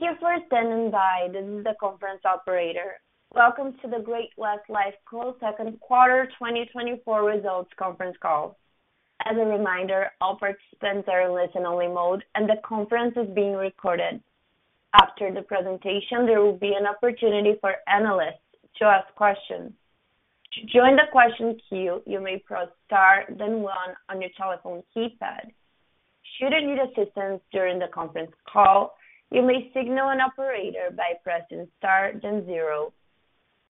Thank you for standing by. This is the conference operator. Welcome to the Great-West Lifeco 2024 results conference call. As a reminder, all participants are in listen-only mode, and the conference is being recorded. After the presentation, there will be an opportunity for analysts to ask questions. To join the question queue, you may press star then one on your telephone keypad. Should you need assistance during the conference call, you may signal an operator by pressing star then zero.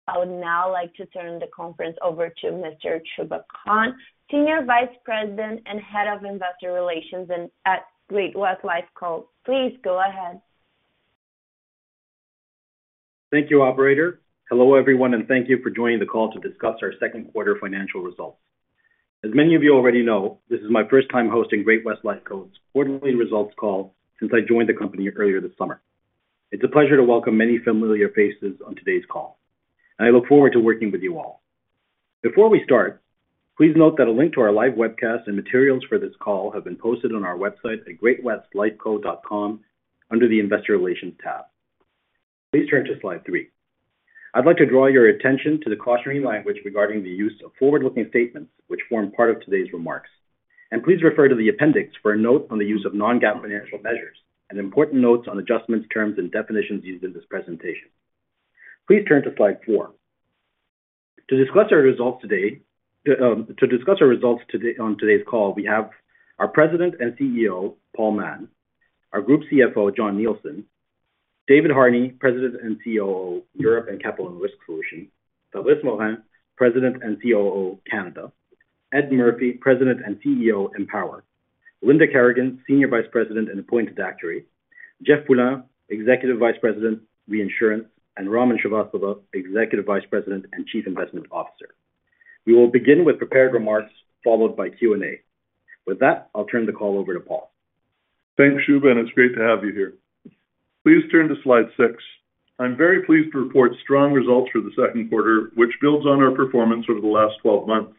I would now like to turn the conference over to Mr. Shubha Khan, Senior Vice President and Head of Investor Relations at Great-West Lifeco. Please go ahead. Thank you, Operator. Hello, everyone, and thank you for joining the call to discuss our second quarter financial results. As many of you already know, this is my first time hosting Great-West Lifeco's quarterly results call since I joined the company earlier this summer. It's a pleasure to welcome many familiar faces on today's call, and I look forward to working with you all. Before we start, please note that a link to our live webcast and materials for this call have been posted on our website at greatwestlifeco.com under the Investor Relations tab. Please turn to slide three. I'd like to draw your attention to the cautionary language regarding the use of forward-looking statements, which form part of today's remarks. Please refer to the appendix for a note on the use of non-GAAP financial measures and important notes on adjustments, terms, and definitions used in this presentation. Please turn to slide four. To discuss our results today on today's call, we have our President and CEO, Paul Mahon, our Group CFO, Jon Nielsen, David Harney, President and COO, Europe and Capital and Risk Solutions, Fabrice Morin, President and COO, Canada, Ed Murphy, President and CEO, Empower, Linda Kerrigan, Senior Vice President and Appointed Actuary, Jeff Poulin, Executive Vice President, Reinsurance, and Raman Srivastava, Executive Vice President and Chief Investment Officer. We will begin with prepared remarks followed by Q&A. With that, I'll turn the call over to Paul. Thanks, Shubha. It's great to have you here. Please turn to slide 6. I'm very pleased to report strong results for the second quarter, which builds on our performance over the last 12 months.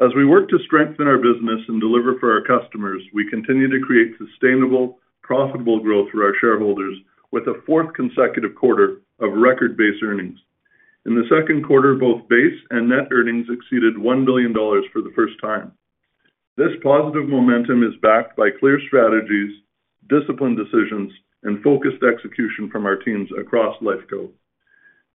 As we work to strengthen our business and deliver for our customers, we continue to create sustainable, profitable growth for our shareholders with a fourth consecutive quarter of record base earnings. In the second quarter, both base and net earnings exceeded $1 billion for the first time. This positive momentum is backed by clear strategies, disciplined decisions, and focused execution from our teams across Great-West Lifeco.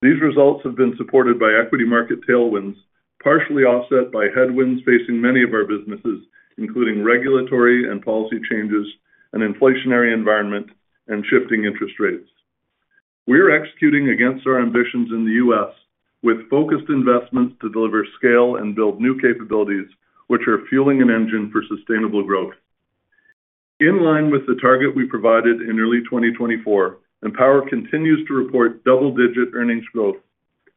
These results have been supported by equity market tailwinds, partially offset by headwinds facing many of our businesses, including regulatory and policy changes, an inflationary environment, and shifting interest rates. We are executing against our ambitions in the U.S. with focused investments to deliver scale and build new capabilities, which are fueling an engine for sustainable growth. In line with the target we provided in early 2024, Empower continues to report double-digit earnings growth,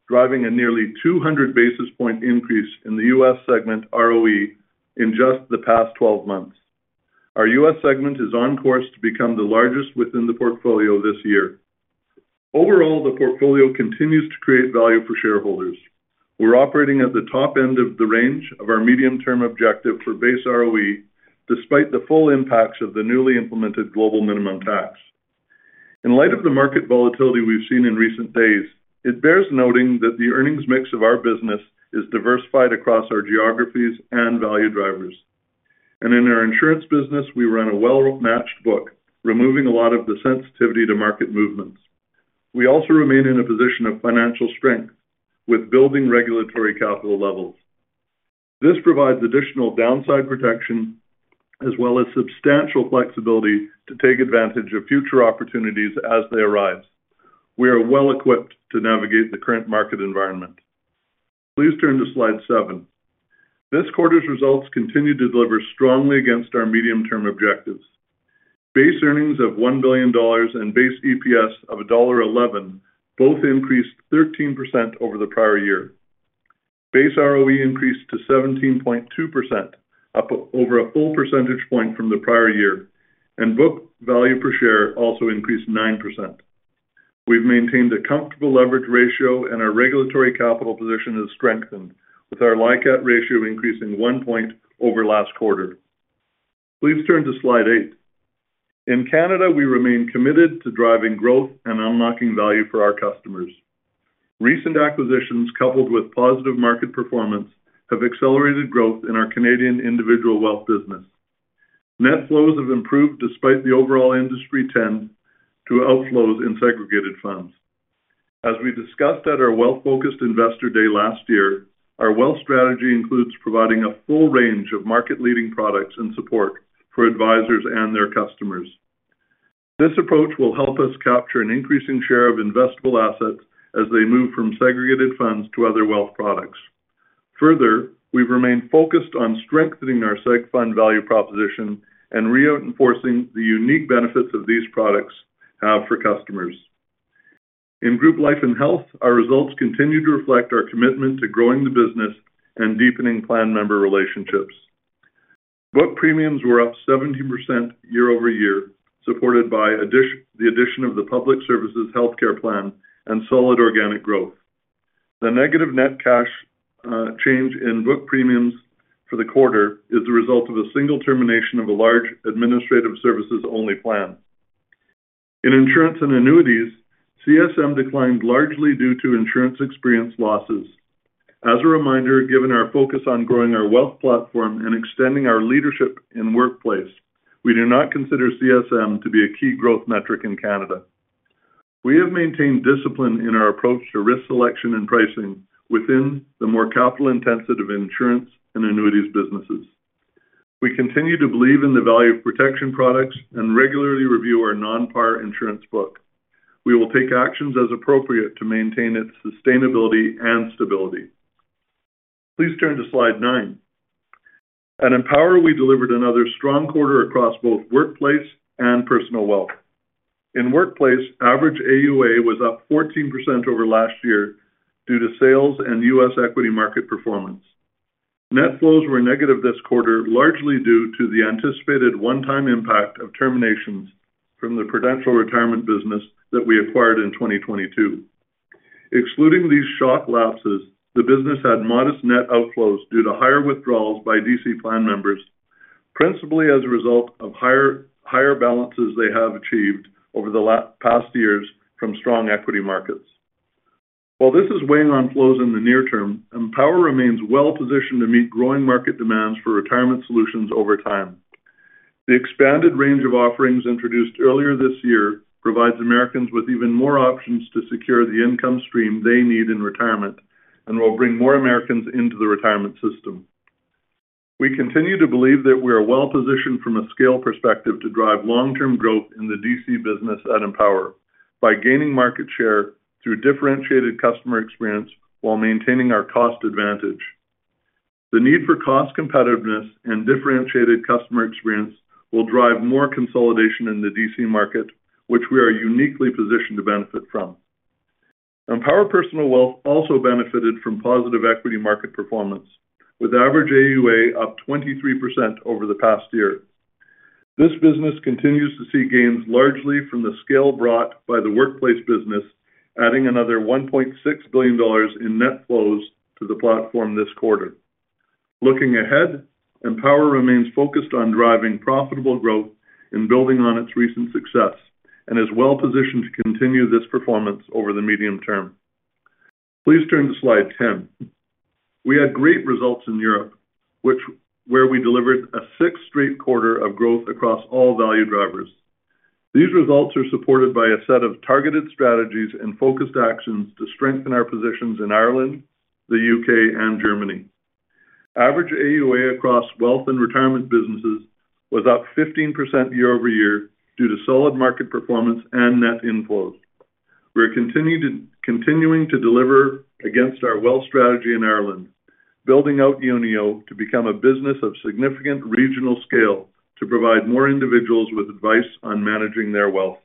driving a nearly 200 basis point increase in the U.S. segment ROE in just the past 12 months. Our U.S. segment is on course to become the largest within the portfolio this year. Overall, the portfolio continues to create value for shareholders. We're operating at the top end of the range of our medium-term objective for Base ROE, despite the full impacts of the newly implemented Global Minimum Tax. In light of the market volatility we've seen in recent days, it bears noting that the earnings mix of our business is diversified across our geographies and value drivers. In our insurance business, we run a well-matched book, removing a lot of the sensitivity to market movements. We also remain in a position of financial strength with building regulatory capital levels. This provides additional downside protection as well as substantial flexibility to take advantage of future opportunities as they arise. We are well equipped to navigate the current market environment. Please turn to slide seven. This quarter's results continue to deliver strongly against our medium-term objectives. Base earnings of 1 billion dollars and base EPS of dollar 1.11 both increased 13% over the prior year. Base ROE increased to 17.2%, up over a full percentage point from the prior year, and book value per share also increased 9%. We've maintained a comfortable leverage ratio, and our regulatory capital position has strengthened with our LICAT ratio increasing one point over last quarter. Please turn to slide eight. In Canada, we remain committed to driving growth and unlocking value for our customers. Recent acquisitions, coupled with positive market performance, have accelerated growth in our Canadian individual wealth business. Net flows have improved despite the overall industry trend to outflows in segregated funds. As we discussed at our Wealth Focused Investor Day last year, our wealth strategy includes providing a full range of market-leading products and support for advisors and their customers. This approach will help us capture an increasing share of investable assets as they move from segregated funds to other wealth products. Further, we've remained focused on strengthening our seg fund value proposition and reinforcing the unique benefits of these products for customers. In Group Life and Health, our results continue to reflect our commitment to growing the business and deepening plan member relationships. Book premiums were up 17% year-over-year, supported by the addition of the Public Service Health Care Plan and solid organic growth. The negative net cash change in book premiums for the quarter is the result of a single termination of a large administrative services-only plan. In insurance and annuities, CSM declined largely due to insurance experience losses. As a reminder, given our focus on growing our wealth platform and extending our leadership in the workplace, we do not consider CSM to be a key growth metric in Canada. We have maintained discipline in our approach to risk selection and pricing within the more capital-intensive insurance and annuities businesses. We continue to believe in the value of protection products and regularly review our non-par insurance book. We will take actions as appropriate to maintain its sustainability and stability. Please turn to slide nine. At Empower, we delivered another strong quarter across both workplace and personal wealth. In workplace, average AUA was up 14% over last year due to sales and U.S. equity market performance. Net flows were negative this quarter, largely due to the anticipated one-time impact of terminations from the Prudential Retirement business that we acquired in 2022. Excluding these shock lapses, the business had modest net outflows due to higher withdrawals by DC plan members, principally as a result of higher balances they have achieved over the past years from strong equity markets. While this is weighing on flows in the near term, Empower remains well positioned to meet growing market demands for retirement solutions over time. The expanded range of offerings introduced earlier this year provides Americans with even more options to secure the income stream they need in retirement and will bring more Americans into the retirement system. We continue to believe that we are well positioned from a scale perspective to drive long-term growth in the DC business at Empower by gaining market share through differentiated customer experience while maintaining our cost advantage. The need for cost competitiveness and differentiated customer experience will drive more consolidation in the DC market, which we are uniquely positioned to benefit from. Empower Personal Wealth also benefited from positive equity market performance, with average AUA up 23% over the past year. This business continues to see gains largely from the scale brought by the workplace business, adding another $1.6 billion in net flows to the platform this quarter. Looking ahead, Empower remains focused on driving profitable growth and building on its recent success and is well positioned to continue this performance over the medium term. Please turn to slide 10. We had great results in Europe, where we delivered a sixth straight quarter of growth across all value drivers. These results are supported by a set of targeted strategies and focused actions to strengthen our positions in Ireland, the UK, and Germany. Average AUA across wealth and retirement businesses was up 15% year-over-year due to solid market performance and net inflows. We are continuing to deliver against our wealth strategy in Ireland, building out Unio to become a business of significant regional scale to provide more individuals with advice on managing their wealth.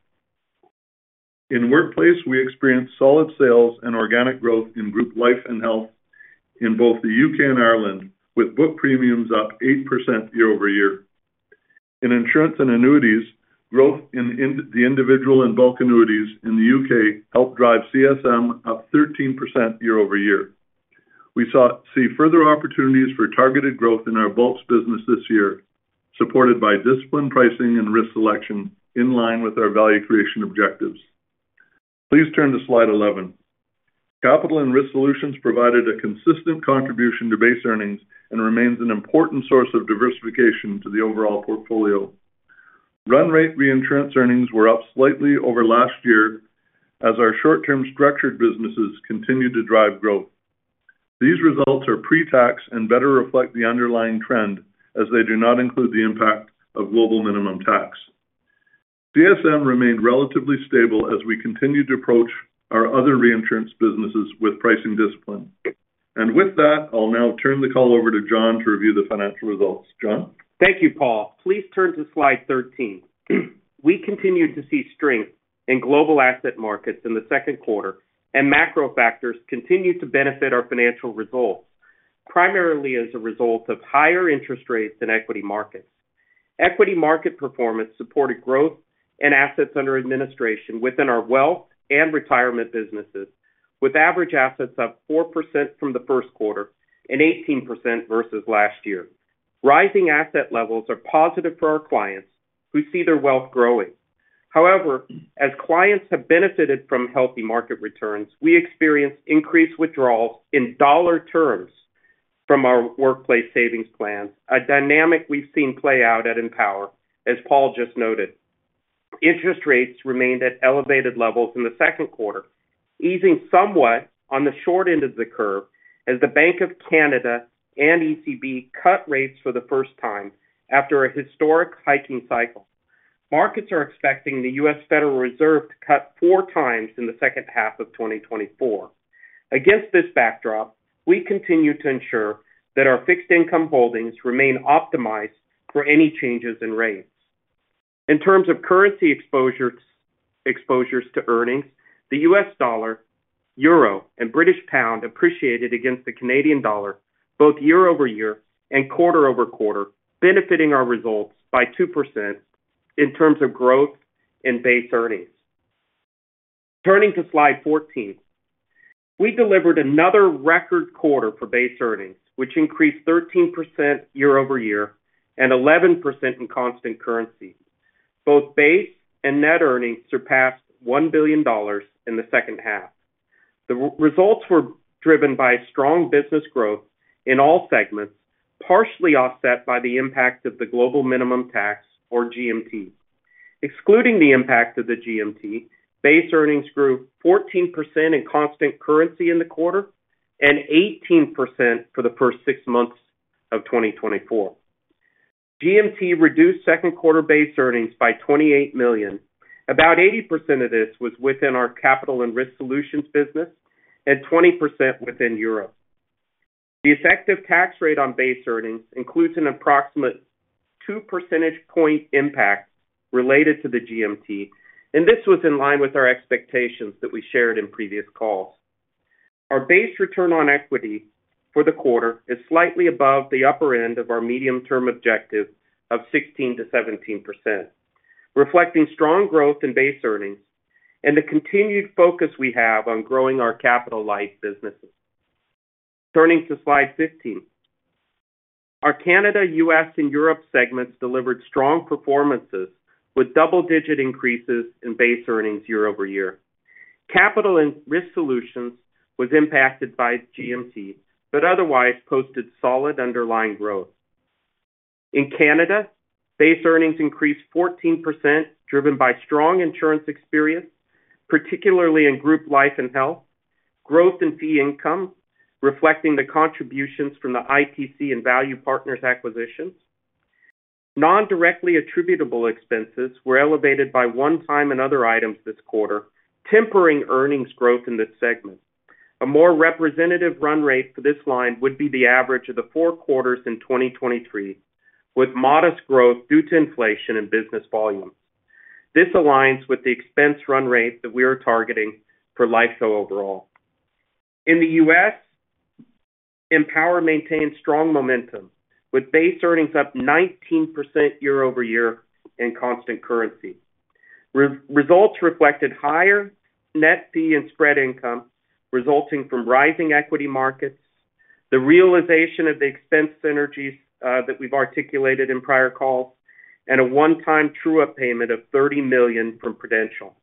In workplace, we experienced solid sales and organic growth in Group Life and Health in both the UK and Ireland, with book premiums up 8% year-over-year. In insurance and annuities, growth in the individual and bulk annuities in the UK helped drive CSM up 13% year-over-year. We see further opportunities for targeted growth in our bulks business this year, supported by discipline pricing and risk selection in line with our value creation objectives. Please turn to slide 11. Capital and risk solutions provided a consistent contribution to base earnings and remain an important source of diversification to the overall portfolio. Run rate reinsurance earnings were up slightly over last year as our short-term structured businesses continued to drive growth. These results are pre-tax and better reflect the underlying trend as they do not include the impact of Global Minimum Tax. CSM remained relatively stable as we continued to approach our other reinsurance businesses with pricing discipline. And with that, I'll now turn the call over to John to review the financial results. Jon. Thank you, Paul. Please turn to slide 13. We continued to see strength in global asset markets in the second quarter, and macro factors continued to benefit our financial results, primarily as a result of higher interest rates in equity markets. Equity market performance supported growth in assets under administration within our wealth and retirement businesses, with average assets up 4% from the first quarter and 18% versus last year. Rising asset levels are positive for our clients who see their wealth growing. However, as clients have benefited from healthy market returns, we experienced increased withdrawals in dollar terms from our workplace savings plans, a dynamic we've seen play out at Empower, as Paul just noted. Interest rates remained at elevated levels in the second quarter, easing somewhat on the short end of the curve as the Bank of Canada and ECB cut rates for the first time after a historic hiking cycle. Markets are expecting the US Federal Reserve to cut four times in the second half of 2024. Against this backdrop, we continue to ensure that our fixed income holdings remain optimized for any changes in rates. In terms of currency exposures to earnings, the US dollar, euro, and British pound appreciated against the Canadian dollar both year-over-year and quarter-over-quarter, benefiting our results by 2% in terms of growth in base earnings. Turning to slide 14, we delivered another record quarter for base earnings, which increased 13% year-over-year and 11% in constant currency. Both base and net earnings surpassed $1 billion in the second half. The results were driven by strong business growth in all segments, partially offset by the impact of the global minimum tax, or GMT. Excluding the impact of the GMT, base earnings grew 14% in constant currency in the quarter and 18% for the first six months of 2024. GMT reduced second quarter base earnings by 28 million. About 80% of this was within our capital and risk solutions business and 20% within Europe. The effective tax rate on base earnings includes an approximate 2 percentage point impact related to the GMT, and this was in line with our expectations that we shared in previous calls. Our base return on equity for the quarter is slightly above the upper end of our medium-term objective of 16%-17%, reflecting strong growth in base earnings and the continued focus we have on growing our capital-like businesses. Turning to slide 15, our Canada, U.S., and Europe segments delivered strong performances with double-digit increases in base earnings year-over-year. Capital and risk solutions were impacted by GMT, but otherwise posted solid underlying growth. In Canada, base earnings increased 14%, driven by strong insurance experience, particularly in Group Life and Health. Growth in fee income reflected the contributions from the IPC and Value Partners acquisitions. Non-directly attributable expenses were elevated by one-time and other items this quarter, tempering earnings growth in this segment. A more representative run rate for this line would be the average of the four quarters in 2023, with modest growth due to inflation and business volumes. This aligns with the expense run rate that we are targeting for Lifeco overall. In the U.S., Empower maintained strong momentum with base earnings up 19% year-over-year in constant currency. Results reflected higher net fee and spread income resulting from rising equity markets, the realization of the expense synergies that we've articulated in prior calls, and a one-time true-up payment of $30 million from Prudential.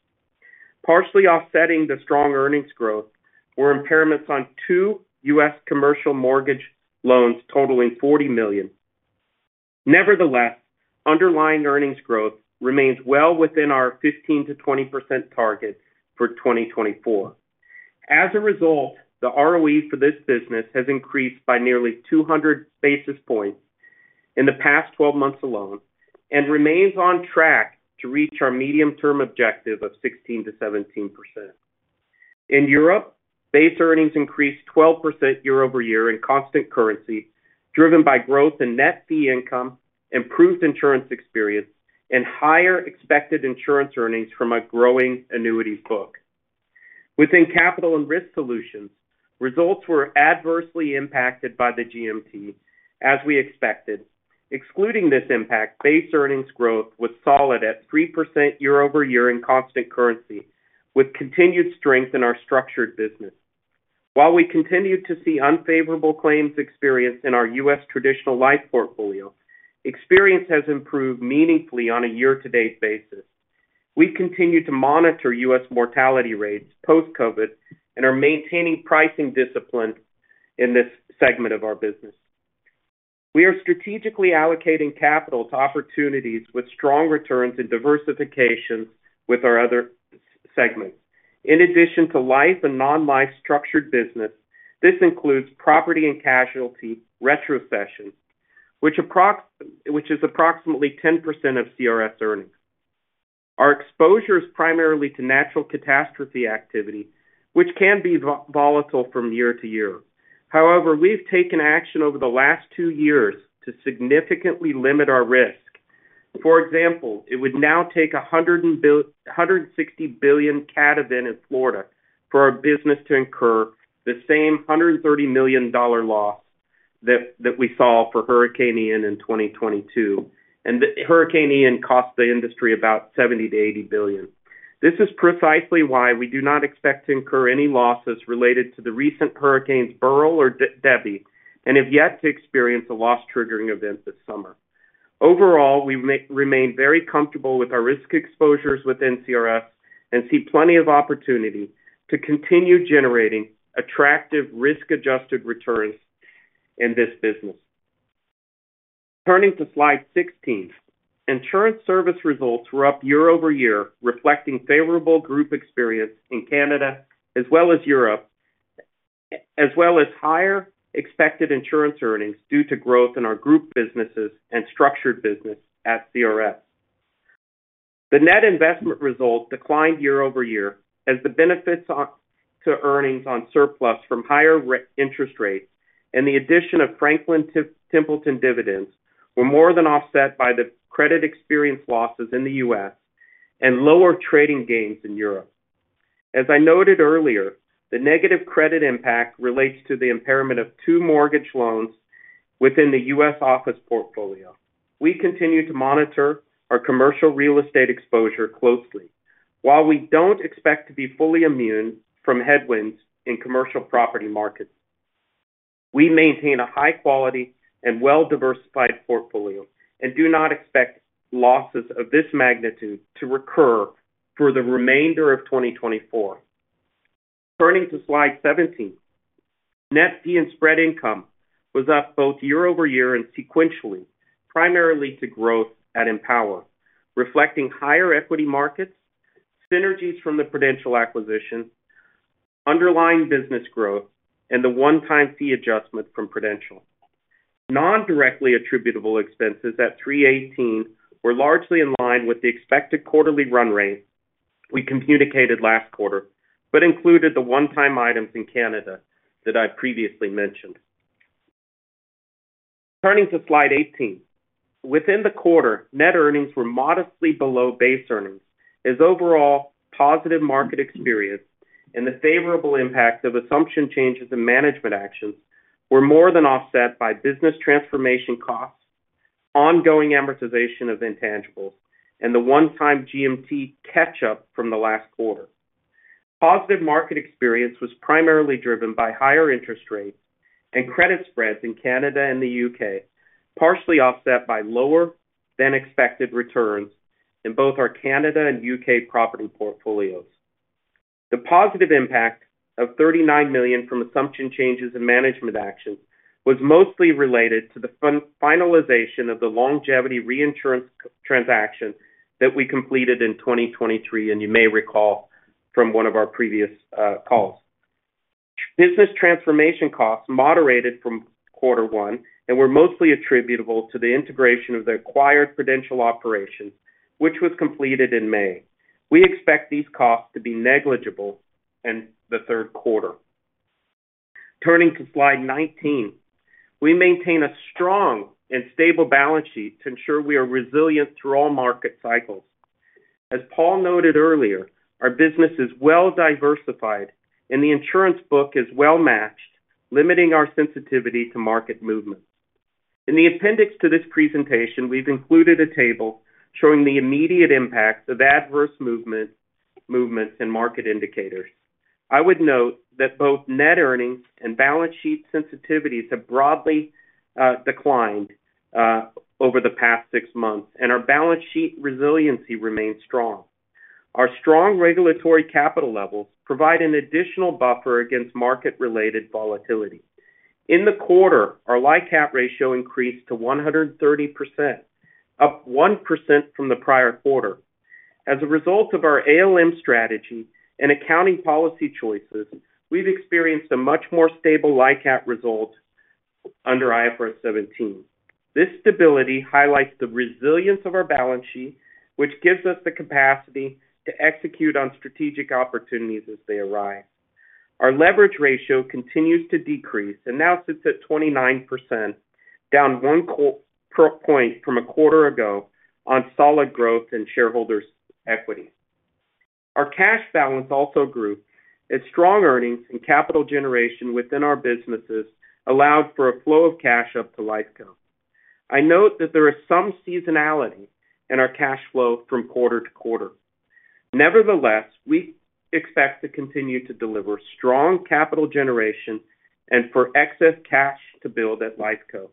Partially offsetting the strong earnings growth were impairments on two U.S. commercial mortgage loans totaling $40 million. Nevertheless, underlying earnings growth remains well within our 15%-20% target for 2024. As a result, the ROE for this business has increased by nearly 200 basis points in the past 12 months alone and remains on track to reach our medium-term objective of 16%-17%. In Europe, base earnings increased 12% year-over-year in constant currency, driven by growth in net fee income, improved insurance experience, and higher expected insurance earnings from a growing annuities book. Within capital and risk solutions, results were adversely impacted by the GMT, as we expected. Excluding this impact, base earnings growth was solid at 3% year-over-year in constant currency, with continued strength in our structured business. While we continue to see unfavorable claims experience in our U.S. traditional life portfolio, experience has improved meaningfully on a year-to-date basis. We continue to monitor U.S. mortality rates post-COVID and are maintaining pricing discipline in this segment of our business. We are strategically allocating capital to opportunities with strong returns and diversifications with our other segments. In addition to life and non-life structured business, this includes property and casualty retrocession, which is approximately 10% of CRS earnings. Our exposure is primarily to natural catastrophe activity, which can be volatile from year to year. However, we've taken action over the last two years to significantly limit our risk. For example, it would now take $160 billion in Florida for our business to incur the same $130 million loss that we saw for Hurricane Ian in 2022, and Hurricane Ian cost the industry about $70-$80 billion. This is precisely why we do not expect to incur any losses related to the recent Hurricanes Beryl or Debby and have yet to experience a loss-triggering event this summer. Overall, we remain very comfortable with our risk exposures within CRS and see plenty of opportunity to continue generating attractive risk-adjusted returns in this business. Turning to slide 16, insurance service results were up year-over-year, reflecting favorable group experience in Canada as well as Europe, as well as higher expected insurance earnings due to growth in our group businesses and structured business at CRS. The net investment result declined year-over-year as the benefits to earnings on surplus from higher interest rates and the addition of Franklin Templeton dividends were more than offset by the credit experience losses in the U.S. and lower trading gains in Europe. As I noted earlier, the negative credit impact relates to the impairment of two mortgage loans within the U.S. office portfolio. We continue to monitor our commercial real estate exposure closely, while we don't expect to be fully immune from headwinds in commercial property markets. We maintain a high-quality and well-diversified portfolio and do not expect losses of this magnitude to recur for the remainder of 2024. Turning to slide 17, net fee and spread income was up both year-over-year and sequentially, primarily to growth at Empower, reflecting higher equity markets, synergies from the Prudential acquisition, underlying business growth, and the one-time fee adjustment from Prudential. Non-directly attributable expenses at 318 were largely in line with the expected quarterly run rate we communicated last quarter, but included the one-time items in Canada that I previously mentioned. Turning to slide 18, within the quarter, net earnings were modestly below base earnings as overall positive market experience and the favorable impact of assumption changes and management actions were more than offset by business transformation costs, ongoing amortization of intangibles, and the one-time GMT catch-up from the last quarter. Positive market experience was primarily driven by higher interest rates and credit spreads in Canada and the UK, partially offset by lower-than-expected returns in both our Canada and UK property portfolios. The positive impact of $39 million from assumption changes and management actions was mostly related to the finalization of the longevity reinsurance transaction that we completed in 2023, and you may recall from one of our previous calls. Business transformation costs moderated from quarter one and were mostly attributable to the integration of the acquired Prudential operations, which was completed in May. We expect these costs to be negligible in the third quarter. Turning to slide 19, we maintain a strong and stable balance sheet to ensure we are resilient through all market cycles. As Paul noted earlier, our business is well-diversified, and the insurance book is well-matched, limiting our sensitivity to market movements. In the appendix to this presentation, we've included a table showing the immediate impacts of adverse movements in market indicators. I would note that both net earnings and balance sheet sensitivities have broadly declined over the past six months, and our balance sheet resiliency remains strong. Our strong regulatory capital levels provide an additional buffer against market-related volatility. In the quarter, our LICAT ratio increased to 130%, up 1% from the prior quarter. As a result of our ALM strategy and accounting policy choices, we've experienced a much more stable LICAT result under IFRS 17. This stability highlights the resilience of our balance sheet, which gives us the capacity to execute on strategic opportunities as they arise. Our leverage ratio continues to decrease and now sits at 29%, down 1 point from a quarter ago on solid growth in shareholders' equity. Our cash balance also grew as strong earnings and capital generation within our businesses allowed for a flow of cash up to Lifeco. I note that there is some seasonality in our cash flow from quarter to quarter. Nevertheless, we expect to continue to deliver strong capital generation and for excess cash to build at Lifeco.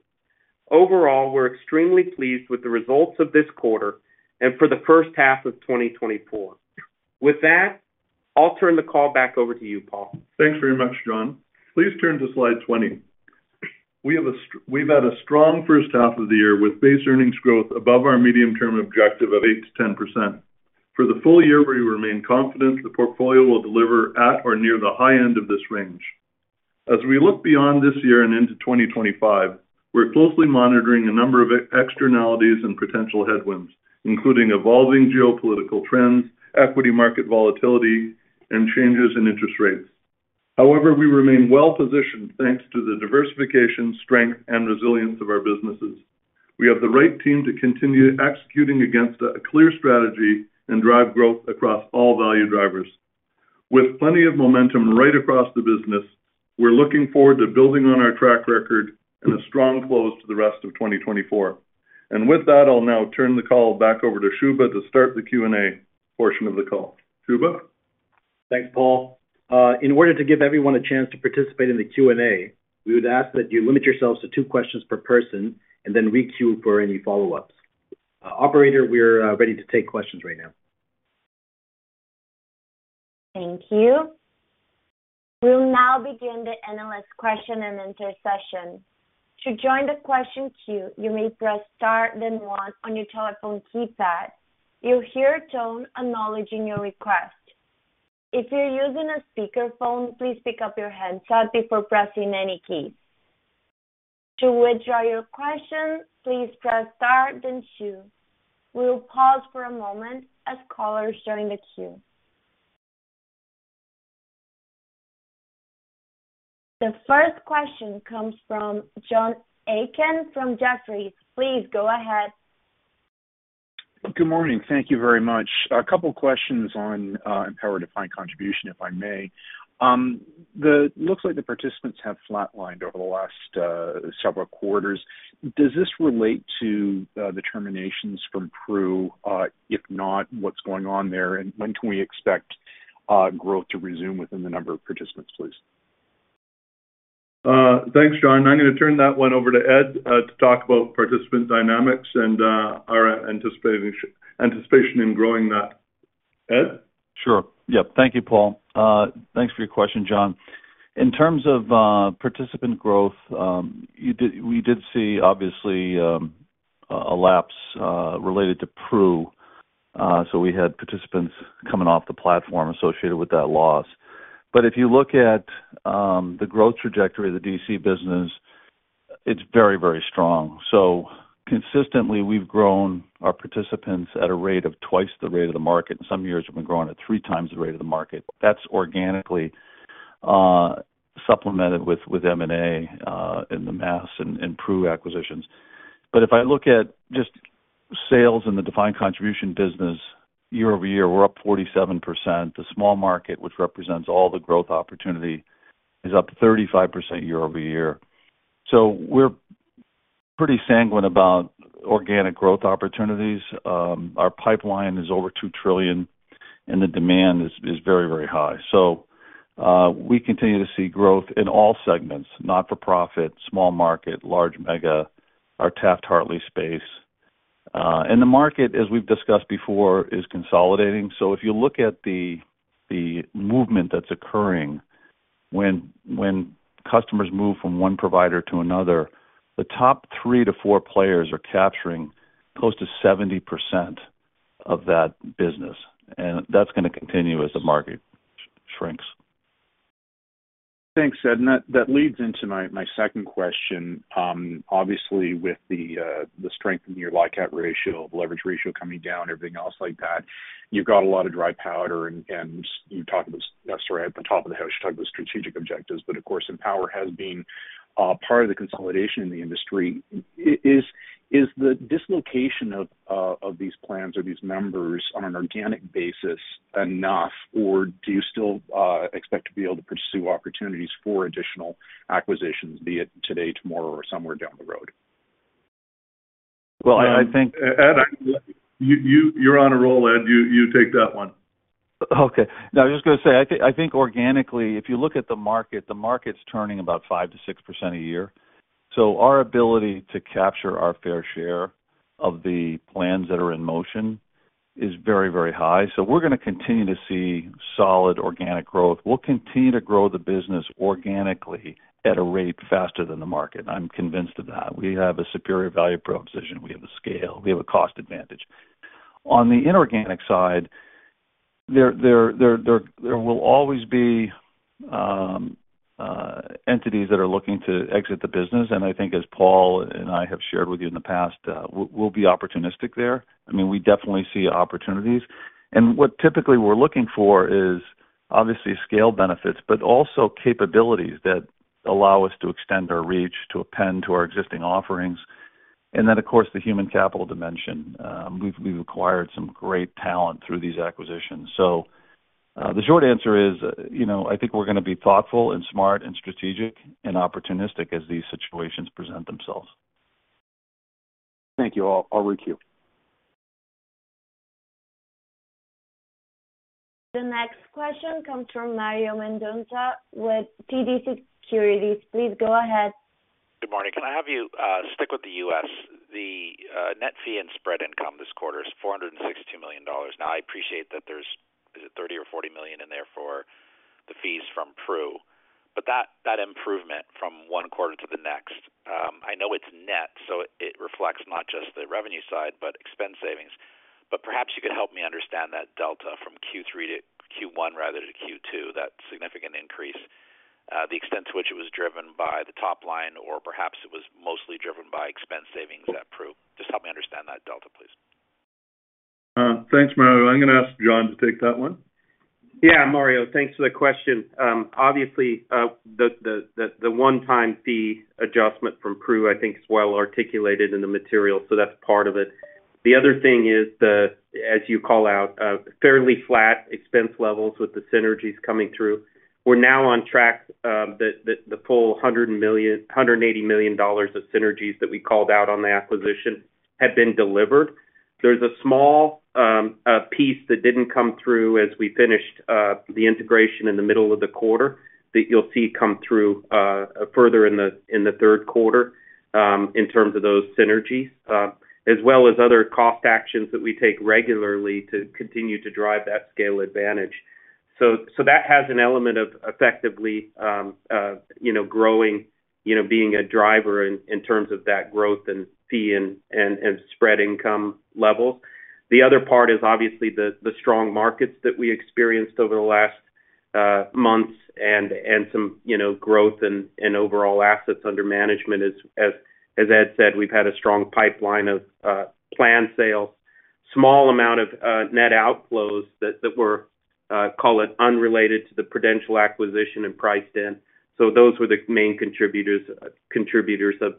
Overall, we're extremely pleased with the results of this quarter and for the first half of 2024. With that, I'll turn the call back over to you, Paul. Thanks very much, John. Please turn to slide 20. We've had a strong first half of the year with base earnings growth above our medium-term objective of 8%-10%. For the full year, we remain confident the portfolio will deliver at or near the high end of this range. As we look beyond this year and into 2025, we're closely monitoring a number of externalities and potential headwinds, including evolving geopolitical trends, equity market volatility, and changes in interest rates. However, we remain well-positioned thanks to the diversification, strength, and resilience of our businesses. We have the right team to continue executing against a clear strategy and drive growth across all value drivers. With plenty of momentum right across the business, we're looking forward to building on our track record and a strong close to the rest of 2024. And with that, I'll now turn the call back over to Shubha to start the Q&A portion of the call. Shubha? Thanks, Paul. In order to give everyone a chance to participate in the Q&A, we would ask that you limit yourselves to two questions per person and then re-queue for any follow-ups. Operator, we're ready to take questions right now. Thank you. We'll now begin the Q&A question and answer session. To join the question queue, you may press star, then 1 on your telephone keypad. You'll hear a tone acknowledging your request. If you're using a speakerphone, please pick up your headset before pressing any keys. To withdraw your question, please press *, then 2. We'll pause for a moment as callers join the queue. The first question comes from John Aiken from Jefferies. Please go ahead. Good morning. Thank you very much. A couple of questions on Empower Defined Contribution, if I may. It looks like the participants have flatlined over the last several quarters. Does this relate to the terminations from Pru? If not, what's going on there, and when can we expect growth to resume within the number of participants, please? Thanks, John. I'm going to turn that one over to Ed to talk about participant dynamics and our anticipation in growing that. Ed? Sure. Yep. Thank you, Paul. Thanks for your question, John. In terms of participant growth, we did see, obviously, a lapse related to Pru. So we had participants coming off the platform associated with that loss. But if you look at the growth trajectory of the DC business, it's very, very strong. So consistently, we've grown our participants at a rate of twice the rate of the market. In some years, we've been growing at three times the rate of the market. That's oganically supplemented with M&A and the Mass and Pru acquisitions. But if I look at just sales in the defined contribution business year-over-year, we're up 47%. The small market, which represents all the growth opportunity, is up 35% year-over-year. So we're pretty sanguine about organic growth opportunities. Our pipeline is over $2 trillion, and the demand is very, very high. So we continue to see growth in all segments: not-for-profit, small market, large mega, our Taft-Hartley space. And the market, as we've discussed before, is consolidating. So if you look at the movement that's occurring when customers move from one provider to another, the top three to four players are capturing close to 70% of that business. And that's going to continue as the market shrinks. Thanks, Ed. And that leads into my second question. Obviously, with the strength in your LICAT ratio, leverage ratio coming down, everything else like that, you've got a lot of dry powder, and you talked about, sorry, at the top of the house, you talked about strategic objectives. But of course, Empower has been part of the consolidation in the industry. Is the dislocation of these plans or these members on an organic basis enough, or do you still expect to be able to pursue opportunities for additional acquisitions, be it today, tomorrow, or somewhere down the road? Well, I think, Ed, you're on a roll, Ed. You take that one. Okay. No, I was just going to say, I think organically, if you look at the market, the market's turning about 5%-6% a year. So our ability to capture our fair share of the plans that are in motion is very, very high. So we're going to continue to see solid organic growth. We'll continue to grow the business organically at a rate faster than the market. I'm convinced of that. We have a superior value proposition. We have a scale. We have a cost advantage. On the inorganic side, there will always be entities that are looking to exit the business. And I think, as Paul and I have shared with you in the past, we'll be opportunistic there. I mean, we definitely see opportunities. And what typically we're looking for is, obviously, scale benefits, but also capabilities that allow us to extend our reach, to append to our existing offerings. And then, of course, the human capital dimension. We've acquired some great talent through these acquisitions. So the short answer is, I think we're going to be thoughtful and smart and strategic and opportunistic as these situations present themselves. Thank you. I'll re-queue. The next question comes from Mario Mendonca with TD Securities. Please go ahead. Good morning. Can I have you stick with the US? The net fee and spread income this quarter is $462 million. Now, I appreciate that there's—is it $30 million or $40 million in there for the fees from Pru? But that improvement from one quarter to the next, I know it's net, so it reflects not just the revenue side but expense savings. But perhaps you could help me understand that delta from Q3 to Q1 rather than Q2, that significant increase, the extent to which it was driven by the top line, or perhaps it was mostly driven by expense savings at Pru. Just help me understand that delta, please. Thanks, Mario. I'm going to ask John to take that one. Yeah, Mario. Thanks for the question. Obviously, the one-time fee adjustment from Pru, I think, is well articulated in the material, so that's part of it. The other thing is, as you call out, fairly flat expense levels with the synergies coming through. We're now on track. The full $180 million of synergies that we called out on the acquisition have been delivered. There's a small piece that didn't come through as we finished the integration in the middle of the quarter that you'll see come through further in the third quarter in terms of those synergies, as well as other cost actions that we take regularly to continue to drive that scale advantage. So that has an element of effectively growing, being a driver in terms of that growth and fee and spread income levels. The other part is, obviously, the strong markets that we experienced over the last months and some growth in overall assets under management. As Ed said, we've had a strong pipeline of plan sales, small amount of net outflows that were, call it, unrelated to the Prudential acquisition and priced in. So those were the main contributors of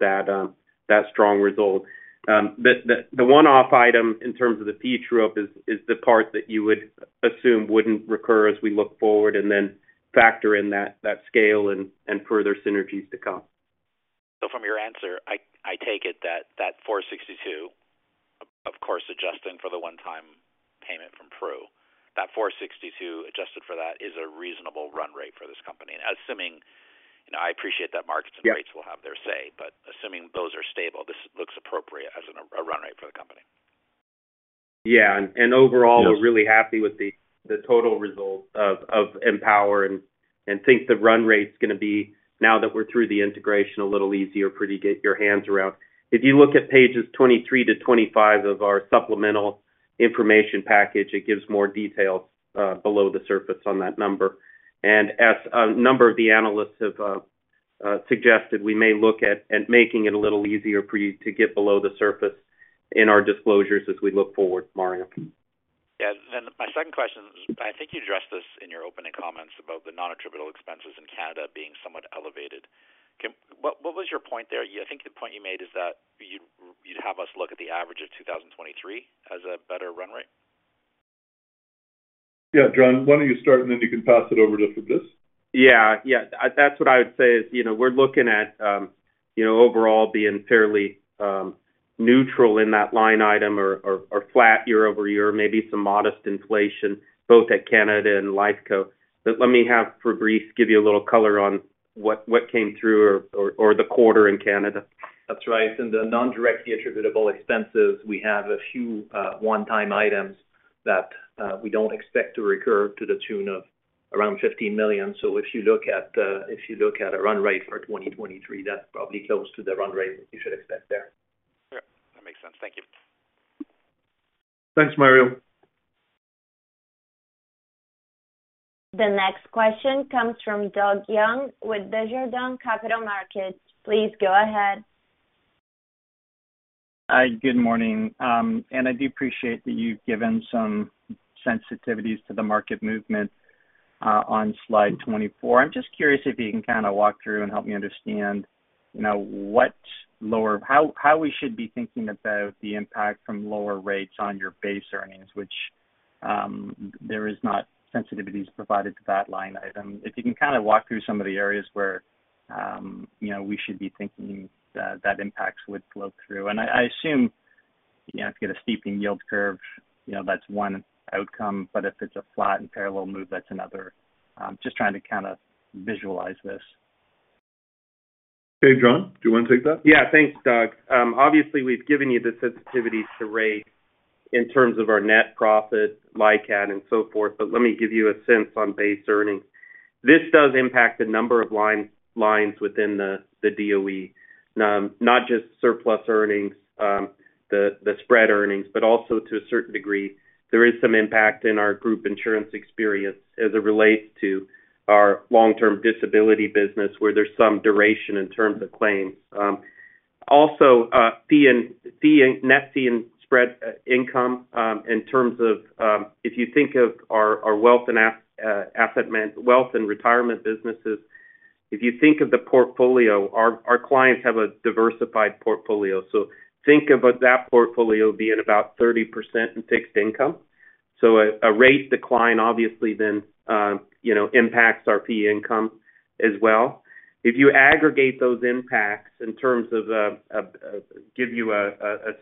that strong result. The one-off item in terms of the fee true-up is the part that you would assume wouldn't recur as we look forward and then factor in that scale and further synergies to come. So from your answer, I take it that that $462, of course, adjusting for the one-time payment from Pru, that $462 adjusted for that is a reasonable run rate for this company. I assume. I appreciate that markets and rates will have their say, but assuming those are stable, this looks appropriate as a run rate for the company. Yeah. And overall, we're really happy with the total result of Empower and think the run rate's going to be, now that we're through the integration, a little easier for you to get your hands around. If you look at pages 23-25 of our supplemental information package, it gives more details below the surface on that number. And as a number of the analysts have suggested, we may look at making it a little easier for you to get below the surface in our disclosures as we look forward, Mario. Yeah. And my second question is, I think you addressed this in your opening comments about the non-attributable expenses in Canada being somewhat elevated. What was your point there? I think the point you made is that you'd have us look at the average of 2023 as a better run rate? Yeah, John, why don't you start, and then you can pass it over to Fabrice? Yeah. Yeah. That's what I would say is we're looking at overall being fairly neutral in that line item or flat year-over-year, maybe some modest inflation, both at Canada and Lifeco. But let me have Fabrice give you a little color on what came through or the quarter in Canada. That's right. And the non-directly attributable expenses, we have a few one-time items that we don't expect to recur to the tune of around 15 million. So if you look at a run rate for 2023, that's probably close to the run rate that you should expect there. Yeah. That makes sense. Thank you. Thanks, Mario. The next question comes from Doug Young with Desjardins Capital Markets. Please go ahead. Hi. Good morning. And I do appreciate that you've given some sensitivities to the market movement on slide 24. I'm just curious if you can kind of walk through and help me understand how we should be thinking about the impact from lower rates on your base earnings, which there are not sensitivities provided to that line item. If you can kind of walk through some of the areas where we should be thinking that impacts would flow through. I assume if you get a steepening yield curve, that's one outcome. But if it's a flat and parallel move, that's another. Just trying to kind of visualize this. Hey, Jon. Do you want to take that? Yeah. Thanks, Doug. Obviously, we've given you the sensitivities to rate in terms of our net profit, LICAT, and so forth. But let me give you a sense on base earnings. This does impact the number of lines within the DOE, not just surplus earnings, the spread earnings, but also to a certain degree, there is some impact in our group insurance experience as it relates to our long-term disability business where there's some duration in terms of claims. Also, net fee and spread income in terms of if you think of our wealth and retirement businesses, if you think of the portfolio, our clients have a diversified portfolio. So think of that portfolio being about 30% in fixed income. So a rate decline, obviously, then impacts our fee income as well. If you aggregate those impacts in terms of give you a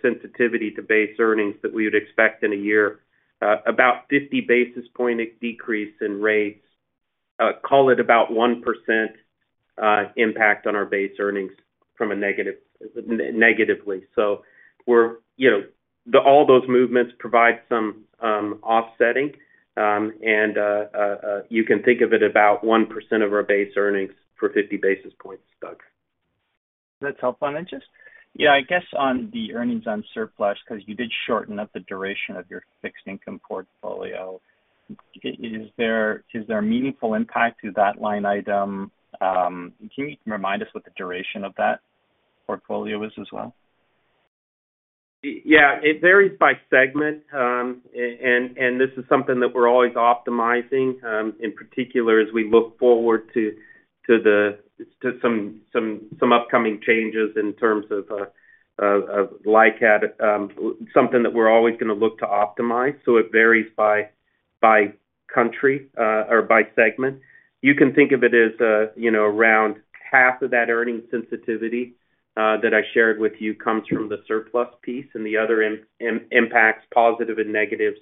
sensitivity to base earnings that we would expect in a year, about 50 basis points decrease in rates, call it about 1% impact on our base earnings negatively. So all those movements provide some offsetting. And you can think of it about 1% of our base earnings for 50 basis points, Doug. That's helpful. And just, yeah, I guess on the earnings on surplus, because you did shorten up the duration of your fixed income portfolio, is there a meaningful impact to that line item? Can you remind us what the duration of that portfolio is as well? Yeah. It varies by segment. This is something that we're always optimizing, in particular as we look forward to some upcoming changes in terms of LICAT, something that we're always going to look to optimize. It varies by country or by segment. You can think of it as around half of that earning sensitivity that I shared with you comes from the surplus piece. The other impacts, positive and negatives,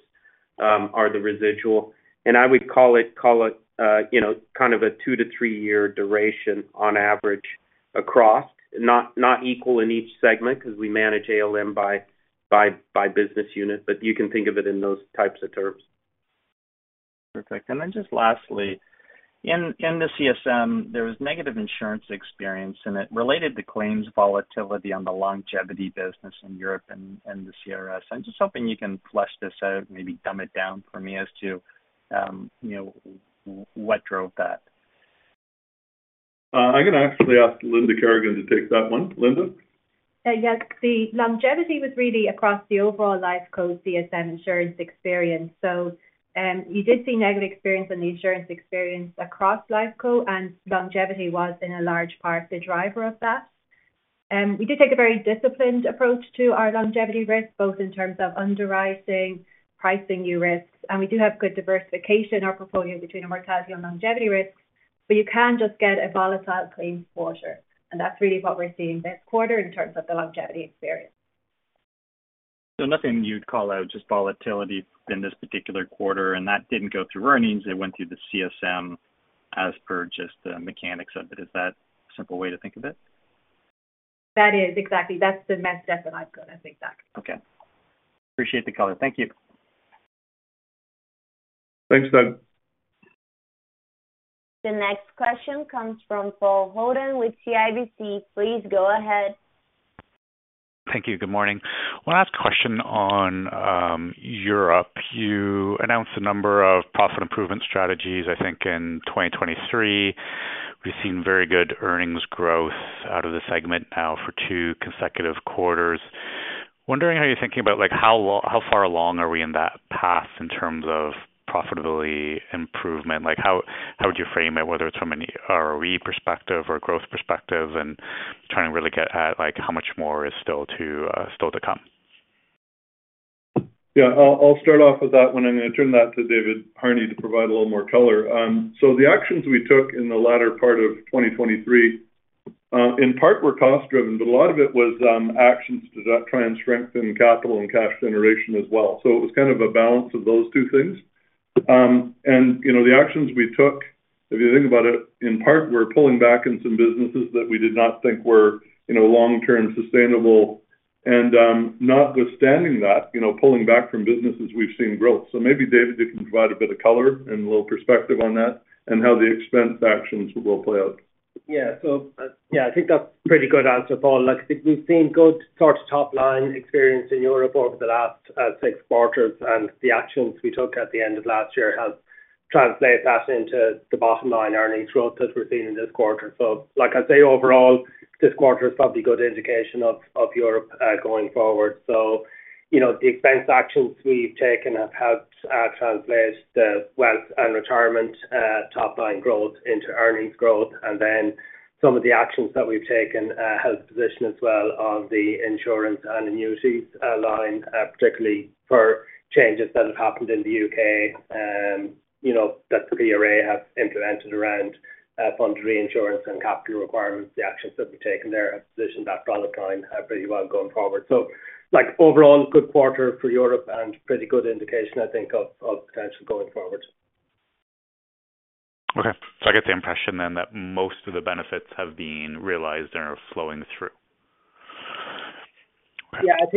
are the residual. I would call it kind of a 2-3-year duration on average across, not equal in each segment because we manage ALM by business unit. You can think of it in those types of terms. Perfect. And then just lastly, in the CSM, there was negative insurance experience in it related to claims volatility on the longevity business in Europe and the CRS. I'm just hoping you can flesh this out, maybe dumb it down for me as to what drove that. I'm going to actually ask Linda Kerrigan to take that one. Linda? Yeah. The longevity was really across the overall Lifeco CSM insurance experience. So you did see negative experience in the insurance experience across Lifeco, and longevity was, in a large part, the driver of that. We did take a very disciplined approach to our longevity risk, both in terms of underwriting, pricing new risks. And we do have good diversification in our portfolio between a mortality and longevity risk. But you can just get a volatile claims quarter. And that's really what we're seeing this quarter in terms of the longevity experience. So, nothing you'd call out, just volatility in this particular quarter. And that didn't go through earnings. It went through the CSM as per just the mechanics of it. Is that a simple way to think of it? That is. Exactly. That's the next step that I've got to think that. Okay. Appreciate the call. Thank you. Thanks, Doug. The next question comes from Paul Holden with CIBC. Please go ahead. Thank you. Good morning. Last question on Europe. You announced a number of profit improvement strategies, I think, in 2023. We've seen very good earnings growth out of the segment now for two consecutive quarters. Wondering how you're thinking about how far along are we in that path in terms of profitability improvement? How would you frame it, whether it's from an ROE perspective or growth perspective, and trying to really get at how much more is still to come? Yeah. I'll start off with that, and then I'm going to turn that to David Harney to provide a little more color. So the actions we took in the latter part of 2023, in part, were cost-driven, but a lot of it was actions to try and strengthen capital and cash generation as well. So it was kind of a balance of those two things. And the actions we took, if you think about it, in part, were pulling back in some businesses that we did not think were long-term sustainable. And notwithstanding that, pulling back from businesses, we've seen growth. So maybe, David, you can provide a bit of color and a little perspective on that and how the expense actions will play out. Yeah. So yeah, I think that's a pretty good answer, Paul. We've seen good sort of top-line experience in Europe over the last six quarters. The actions we took at the end of last year have translated that into the bottom-line earnings growth that we're seeing in this quarter. So like I say, overall, this quarter is probably a good indication of Europe going forward. So the expense actions we've taken have helped translate the wealth and retirement top-line growth into earnings growth. Then some of the actions that we've taken have positioned us well on the insurance and annuities line, particularly for changes that have happened in the UK that the PRA has implemented around fund reinsurance and capital requirements. The actions that we've taken there have positioned that product line pretty well going forward. So overall, good quarter for Europe and pretty good indication, I think, of potential going forward. Okay. So I get the impression then that most of the benefits have been realized and are flowing through. Yeah. I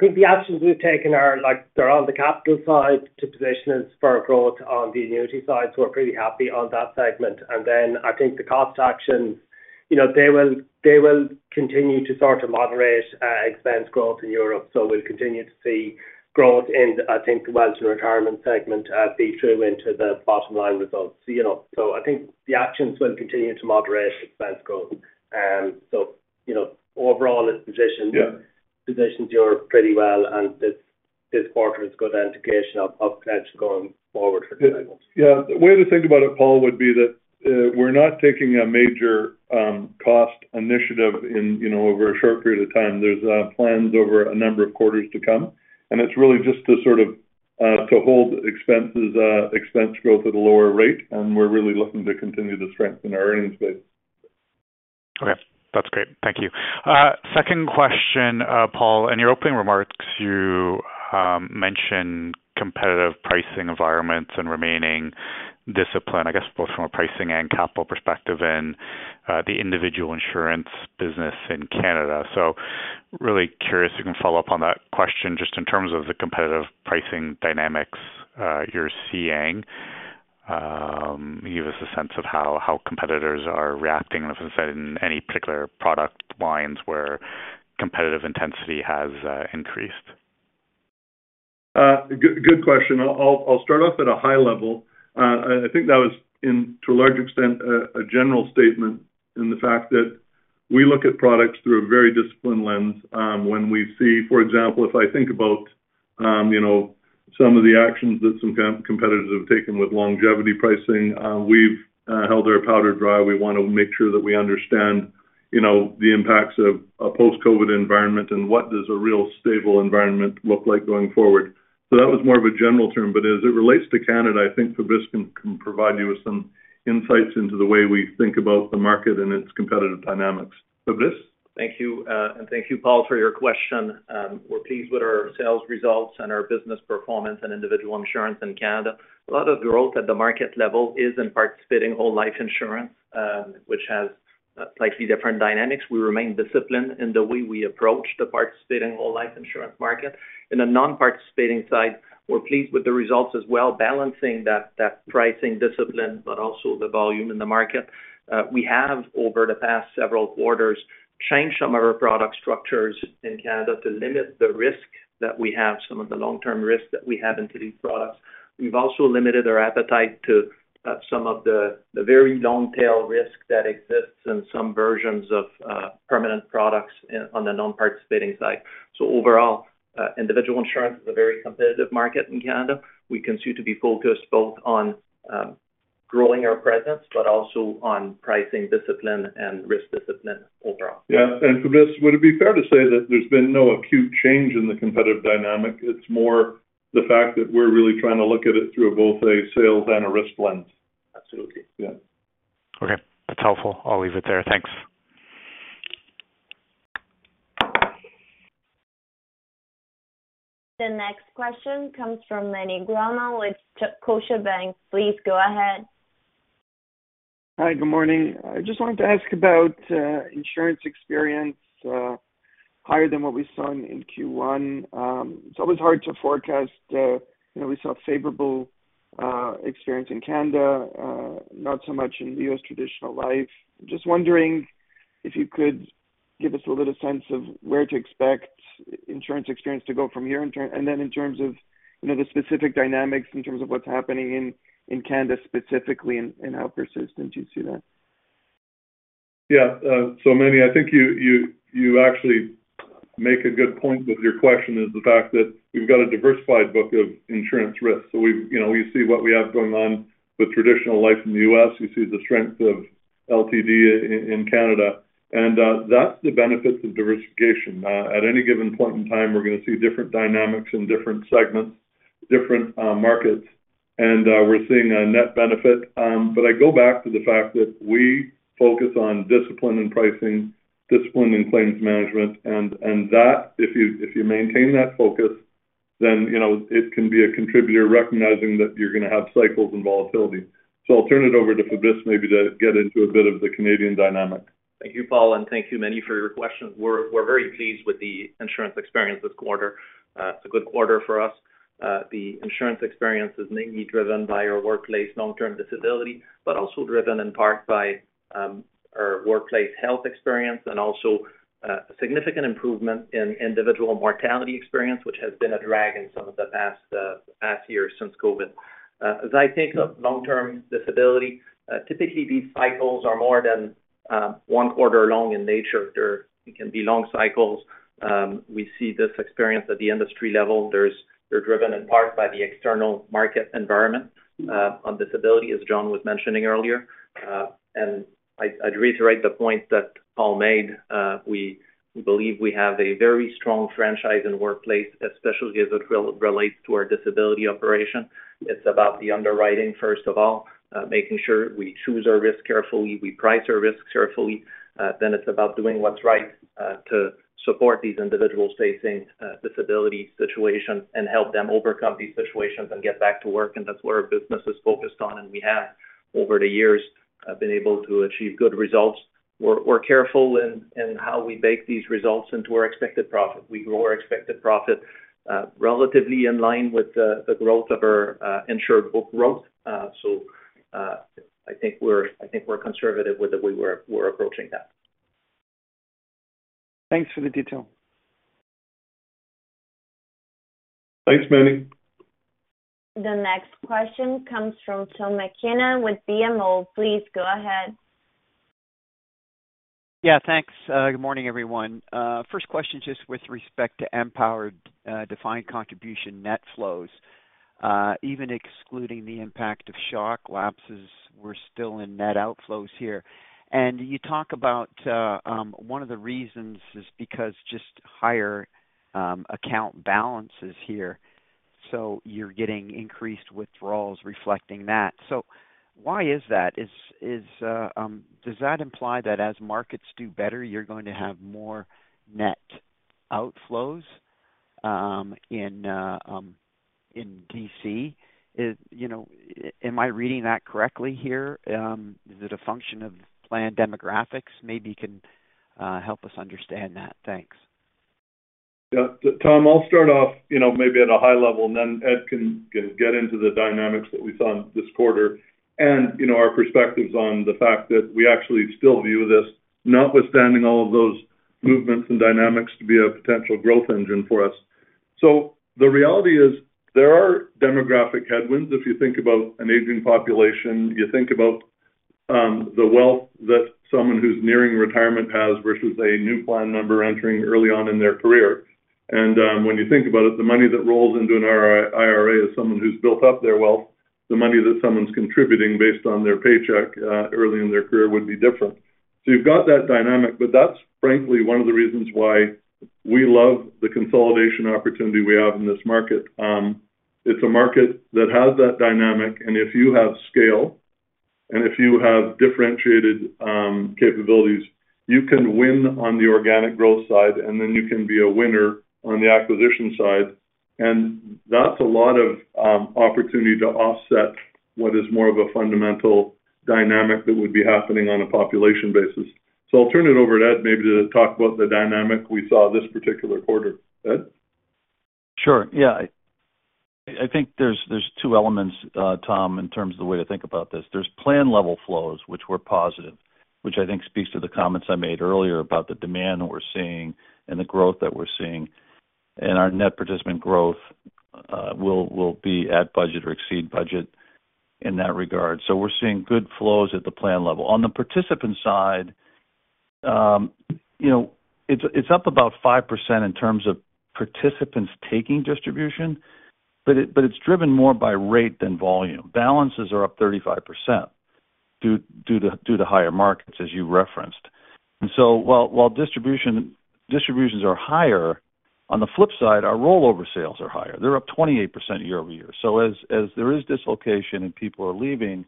think the actions we've taken are on the capital side to position us for growth on the annuity side. So we're pretty happy on that segment. And then I think the cost actions, they will continue to sort of moderate expense growth in Europe. So we'll continue to see growth in, I think, the wealth and retirement segment be true into the bottom-line results. So I think the actions will continue to moderate expense growth. So overall, it positions Europe pretty well. And this quarter is a good indication of potential going forward for the segment. Yeah. The way to think about it, Paul, would be that we're not taking a major cost initiative over a short period of time. There's plans over a number of quarters to come. And it's really just to sort of hold expense growth at a lower rate. And we're really looking to continue to strengthen our earnings base. Okay. That's great. Thank you. Second question, Paul. In your opening remarks, you mentioned competitive pricing environments and remaining discipline, I guess, both from a pricing and capital perspective in the individual insurance business in Canada. So really curious if you can follow up on that question just in terms of the competitive pricing dynamics you're seeing. Give us a sense of how competitors are reacting, as I said, in any particular product lines where competitive intensity has increased Good question. I'll start off at a high level. I think that was, to a large extent, a general statement in fact that we look at products through a very disciplined lens. When we see, for example, if I think about some of the actions that some competitors have taken with longevity pricing, we've kept our powder dry. We want to make sure that we understand the impacts of a post-COVID environment and what does a real stable environment look like going forward. So that was more of a general term. But as it relates to Canada, I think Fabrice can provide you with some insights into the way we think about the market and its competitive dynamics. Fabrice? Thank you. And thank you, Paul, for your question. We're pleased with our sales results and our business performance in individual insurance in Canada. A lot of growth at the market level is in Participating Whole Life Insurance, which has slightly different dynamics. We remain disciplined in the way we approach the Participating Whole Life Insurance market. In the Non-Participating side, we're pleased with the results as well, balancing that pricing discipline, but also the volume in the market. We have, over the past several quarters, changed some of our product structures in Canada to limit the risk that we have, some of the long-term risk that we have into these products. We've also limited our appetite to some of the very long-tail risk that exists in some versions of permanent products on the Non-Participating side. So overall, Individual Insurance is a very competitive market in Canada. We continue to be focused both on growing our presence, but also on pricing discipline and risk discipline overall Yeah. Fabrice, would it be fair to say that there's been no acute change in the competitive dynamic? It's more the fact that we're really trying to look at it through both a sales and a risk lens. Absolutely. Yeah. Okay. That's helpful. I'll leave it there. Thanks. The next question comes from Meny Grauman, which is Scotiabank. Please go ahead. Hi. Good morning. I just wanted to ask about insurance experience higher than what we saw in Q1. It's always hard to forecast. We saw a favorable experience in Canada, not so much in the U.S. traditional life. Just wondering if you could give us a little sense of where to expect insurance experience to go from here and then in terms of the specific dynamics in terms of what's happening in Canada specifically and how persistent you see that. Yeah. So Meny, I think you actually make a good point with your question, is the fact that we've got a diversified book of insurance risks. So we see what we have going on with traditional life in the U.S. We see the strength of LTD in Canada. And that's the benefits of diversification. At any given point in time, we're going to see different dynamics in different segments, different markets. And we're seeing a net benefit. But I go back to the fact that we focus on discipline in pricing, discipline in claims management. And that, if you maintain that focus, then it can be a contributor recognizing that you're going to have cycles and volatility. So I'll turn it over to Fabrice maybe to get into a bit of the Canadian dynamic. Thank you, Paul. And thank you, Meny, for your question. We're very pleased with the insurance experience this quarter. It's a good quarter for us. The insurance experience is mainly driven by our workplace long-term disability, but also driven in part by our workplace health experience and also a significant improvement in individual mortality experience, which has been a drag in some of the past years since COVID. As I think of long-term disability, typically these cycles are more than one quarter long in nature. There can be long cycles. We see this experience at the industry level. They're driven in part by the external market environment on disability, as John was mentioning earlier. And I'd reiterate the point that Paul made. We believe we have a very strong franchise in workplace, especially as it relates to our disability operation. It's about the underwriting, first of all, making sure we choose our risks carefully. We price our risks carefully. Then it's about doing what's right to support these individuals facing disability situations and help them overcome these situations and get back to work. And that's what our business is focused on. And we have, over the years, been able to achieve good results. We're careful in how we bake these results into our expected profit. We grow our expected profit relatively in line with the growth of our insured book growth. So I think we're conservative with the way we're approaching that. Thanks for the detail. Thanks, Meny. The next question comes from Tom MacKinnon with BMO Capital Markets. Please go ahead. Yeah. Thanks. Good morning, everyone. First question just with respect to Empower defined contribution net flows. Even excluding the impact of shock lapses, we're still in net outflows here. And you talk about one of the reasons is because just higher account balances here. So you're getting increased withdrawals reflecting that. So why is that? Does that imply that as markets do better, you're going to have more net outflows in DC? Am I reading that correctly here? Is it a function of planned demographics? Maybe you can help us understand that. Thanks. Yeah. Tom, I'll start off maybe at a high level, and then Ed can get into the dynamics that we saw in this quarter and our perspectives on the fact that we actually still view this, notwithstanding all of those movements and dynamics to be a potential growth engine for us. So the reality is there are demographic headwinds. If you think about an aging population, you think about the wealth that someone who's nearing retirement has versus a new plan member entering early on in their career. When you think about it, the money that rolls into an IRA as someone who's built up their wealth, the money that someone's contributing based on their paycheck early in their career would be different. So you've got that dynamic, but that's frankly one of the reasons why we love the consolidation opportunity we have in this market. It's a market that has that dynamic. If you have scale and if you have differentiated capabilities, you can win on the organic growth side, and then you can be a winner on the acquisition side. That's a lot of opportunity to offset what is more of a fundamental dynamic that would be happening on a population basis. So I'll turn it over to Ed maybe to talk about the dynamic we saw this particular quarter. Ed? Sure. Yeah. I think there's two elements, Tom, in terms of the way to think about this. There's plan-level flows, which were positive, which I think speaks to the comments I made earlier about the demand that we're seeing and the growth that we're seeing. Our net participant growth will be at budget or exceed budget in that regard. We're seeing good flows at the plan level. On the participant side, it's up about 5% in terms of participants taking distribution, but it's driven more by rate than volume. Balances are up 35% due to higher markets, as you referenced. While distributions are higher, on the flip side, our rollover sales are higher. They're up 28% year-over-year. As there is dislocation and people are leaving,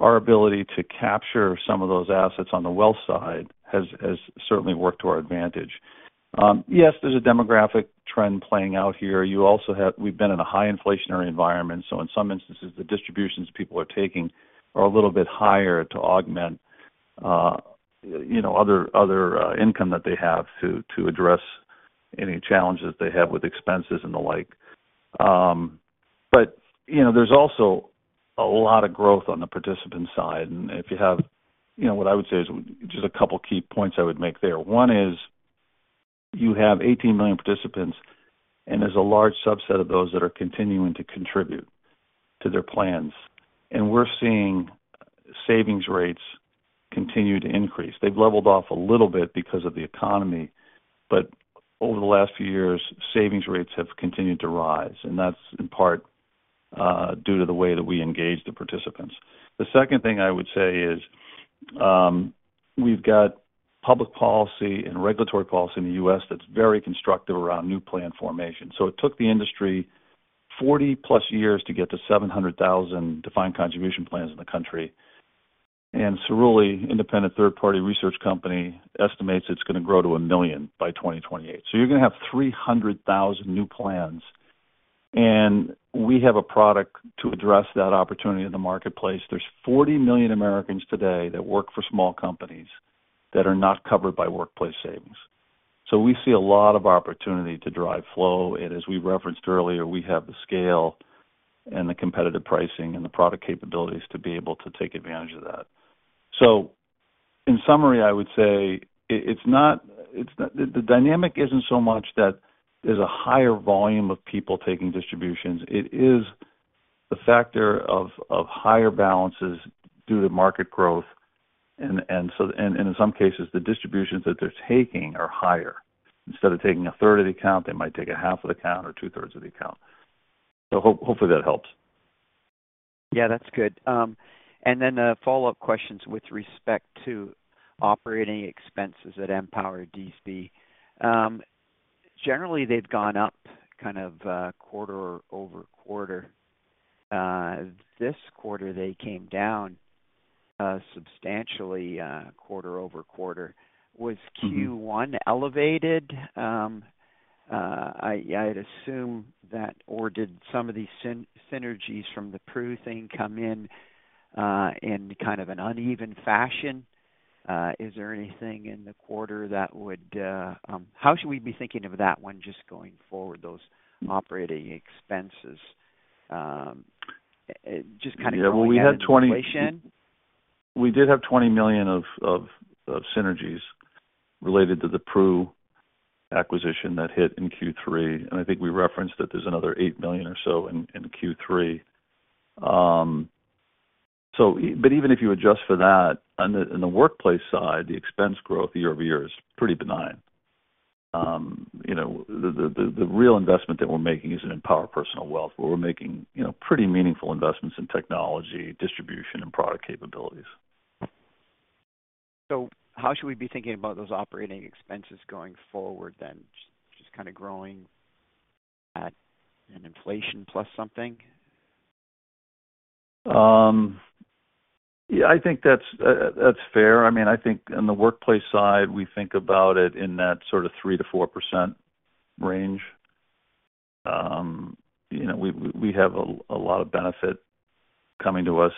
our ability to capture some of those assets on the wealth side has certainly worked to our advantage. Yes, there's a demographic trend playing out here. We've been in a high inflationary environment. So in some instances, the distributions people are taking are a little bit higher to augment other income that they have to address any challenges they have with expenses and the like. But there's also a lot of growth on the participant side. And if you have what I would say is just a couple of key points I would make there. One is you have 18 million participants, and there's a large subset of those that are continuing to contribute to their plans. And we're seeing savings rates continue to increase. They've leveled off a little bit because of the economy. But over the last few years, savings rates have continued to rise. And that's in part due to the way that we engage the participants. The second thing I would say is we've got public policy and regulatory policy in the U.S. that's very constructive around new plan formation. So it took the industry 40+ years to get to 700,000 defined contribution plans in the country. And Cerulli, an independent third-party research company, estimates it's going to grow to 1 million by 2028. So you're going to have 300,000 new plans. And we have a product to address that opportunity in the marketplace. There's 40 million Americans today that work for small companies that are not covered by workplace savings. So we see a lot of opportunity to drive flow. And as we referenced earlier, we have the scale and the competitive pricing and the product capabilities to be able to take advantage of that. So in summary, I would say the dynamic isn't so much that there's a higher volume of people taking distributions. It is the factor of higher balances due to market growth. In some cases, the distributions that they're taking are higher. Instead of taking a third of the account, they might take a half of the account or two-thirds of the account. So hopefully that helps. Yeah, that's good. Then follow-up questions with respect to operating expenses at Empower DC. Generally, they've gone up kind of quarter-over-quarter. This quarter, they came down substantially quarter-over-quarter. Was Q1 elevated? I'd assume that, or did some of these synergies from the Pru acquisition come in in kind of an uneven fashion? Is there anything in the quarter that would. How should we be thinking of that one just going forward, those operating expenses? Just kind of going into the situation. Yeah. Well, we did have $20 million of synergies related to the Pru acquisition that hit in Q3. I think we referenced that there's another 8 million or so in Q3. But even if you adjust for that, on the workplace side, the expense growth year-over-year is pretty benign. The real investment that we're making isn't in Empower Personal Wealth, but we're making pretty meaningful investments in technology, distribution, and product capabilities. So how should we be thinking about those operating expenses going forward then, just kind of growing at an inflation plus something? yeah, I think that's fair. I mean, I think on the workplace side, we think about it in that sort of 3%-4% range. We have a lot of benefit coming to us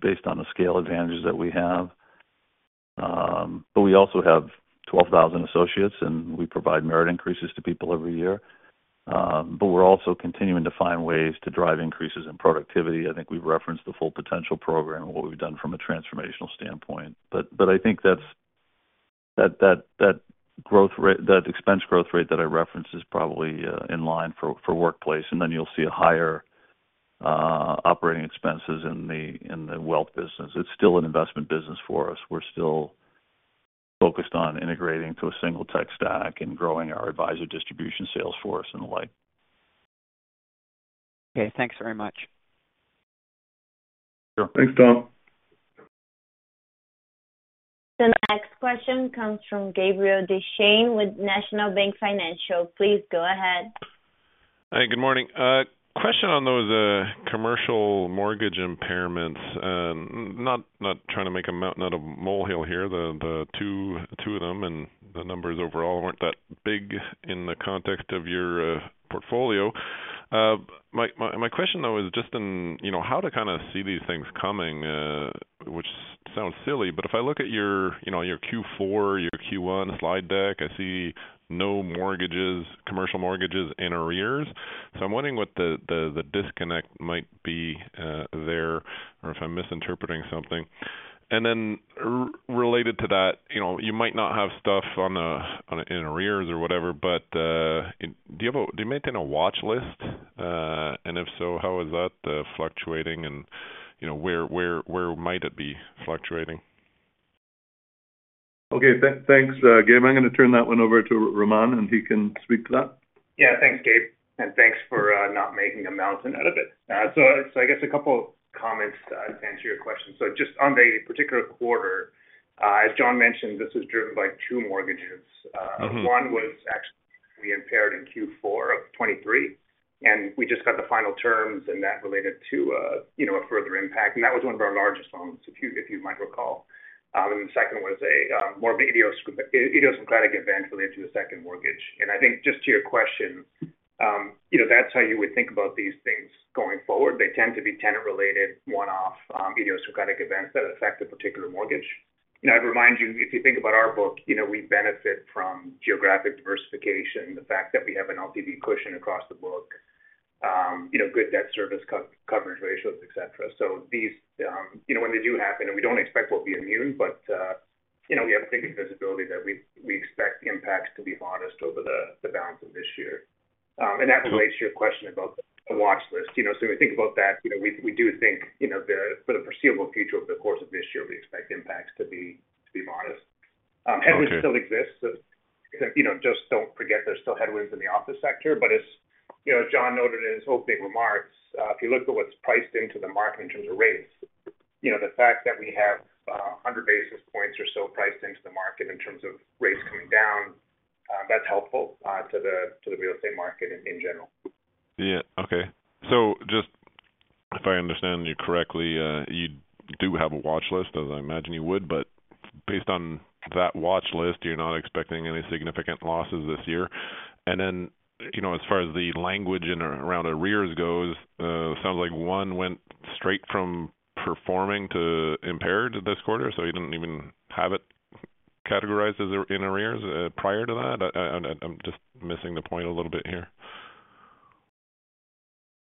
based on the scale advantages that we have. But we also have 12,000 associates, and we provide merit increases to people every year. But we're also continuing to find ways to drive increases in productivity. I think we've referenced the Full Potential program and what we've done from a transformational standpoint. But I think that expense growth rate that I referenced is probably in line for workplace. And then you'll see higher operating expenses in the wealth business. It's still an investment business for us. We're still focused on integrating to a single tech stack and growing our advisor distribution sales force and the like. Okay. Thanks very much. Sure. Thanks, Tom. The next question comes from Gabriel Dechaine with National Bank Financial. Please go ahead. Hi. Good morning. Question on those commercial mortgage impairments. Not trying to make a mountain out of a molehill here. The two of them and the numbers overall weren't that big in the context of your portfolio. My question, though, is just in how to kind of see these things coming, which sounds silly. But if I look at your Q4, your Q1 slide deck, I see no commercial mortgages in arrears. So I'm wondering what the disconnect might be there or if I'm misinterpreting something. And then related to that, you might not have stuff in arrears or whatever, but do you maintain a watch list? And if so, how is that fluctuating? And where might it be fluctuating? Okay. Thanks, Gabe. I'm going to turn that one over to Raman, and he can speak to that. Yeah. Thanks, Gabe. And thanks for not making a mountain out of it. So I guess a couple of comments to answer your question. So just on the particular quarter, as John mentioned, this is driven by two mortgages. One was actually we impaired in Q4 of 2023. And we just got the final terms, and that related to a further impact. That was one of our largest loans, if you might recall. The second was a more of an idiosyncratic event related to the second mortgage. I think just to your question, that's how you would think about these things going forward. They tend to be tenant-related, one-off idiosyncratic events that affect a particular mortgage. I'd remind you, if you think about our book, we benefit from geographic diversification, the fact that we have an LTV cushion across the book, good debt service coverage ratios, etc. When they do happen, and we don't expect we'll be immune, but we have a pretty good visibility that we expect impacts to be modest over the balance of this year. That relates to your question about the watch list. So when we think about that, we do think for the foreseeable future over the course of this year, we expect impacts to be modest. Headwinds still exist. So just don't forget there's still headwinds in the office sector. But as John noted in his opening remarks, if you look at what's priced into the market in terms of rates, the fact that we have 100 basis points or so priced into the market in terms of rates coming down, that's helpful to the real estate market in general. Yeah. Okay. So just if I understand you correctly, you do have a watch list, as I imagine you would. But based on that watch list, you're not expecting any significant losses this year. And then as far as the language around arrears goes, it sounds like one went straight from performing to impaired this quarter. So you don't even have it categorized as in arrears prior to that. I'm just missing the point a little bit here.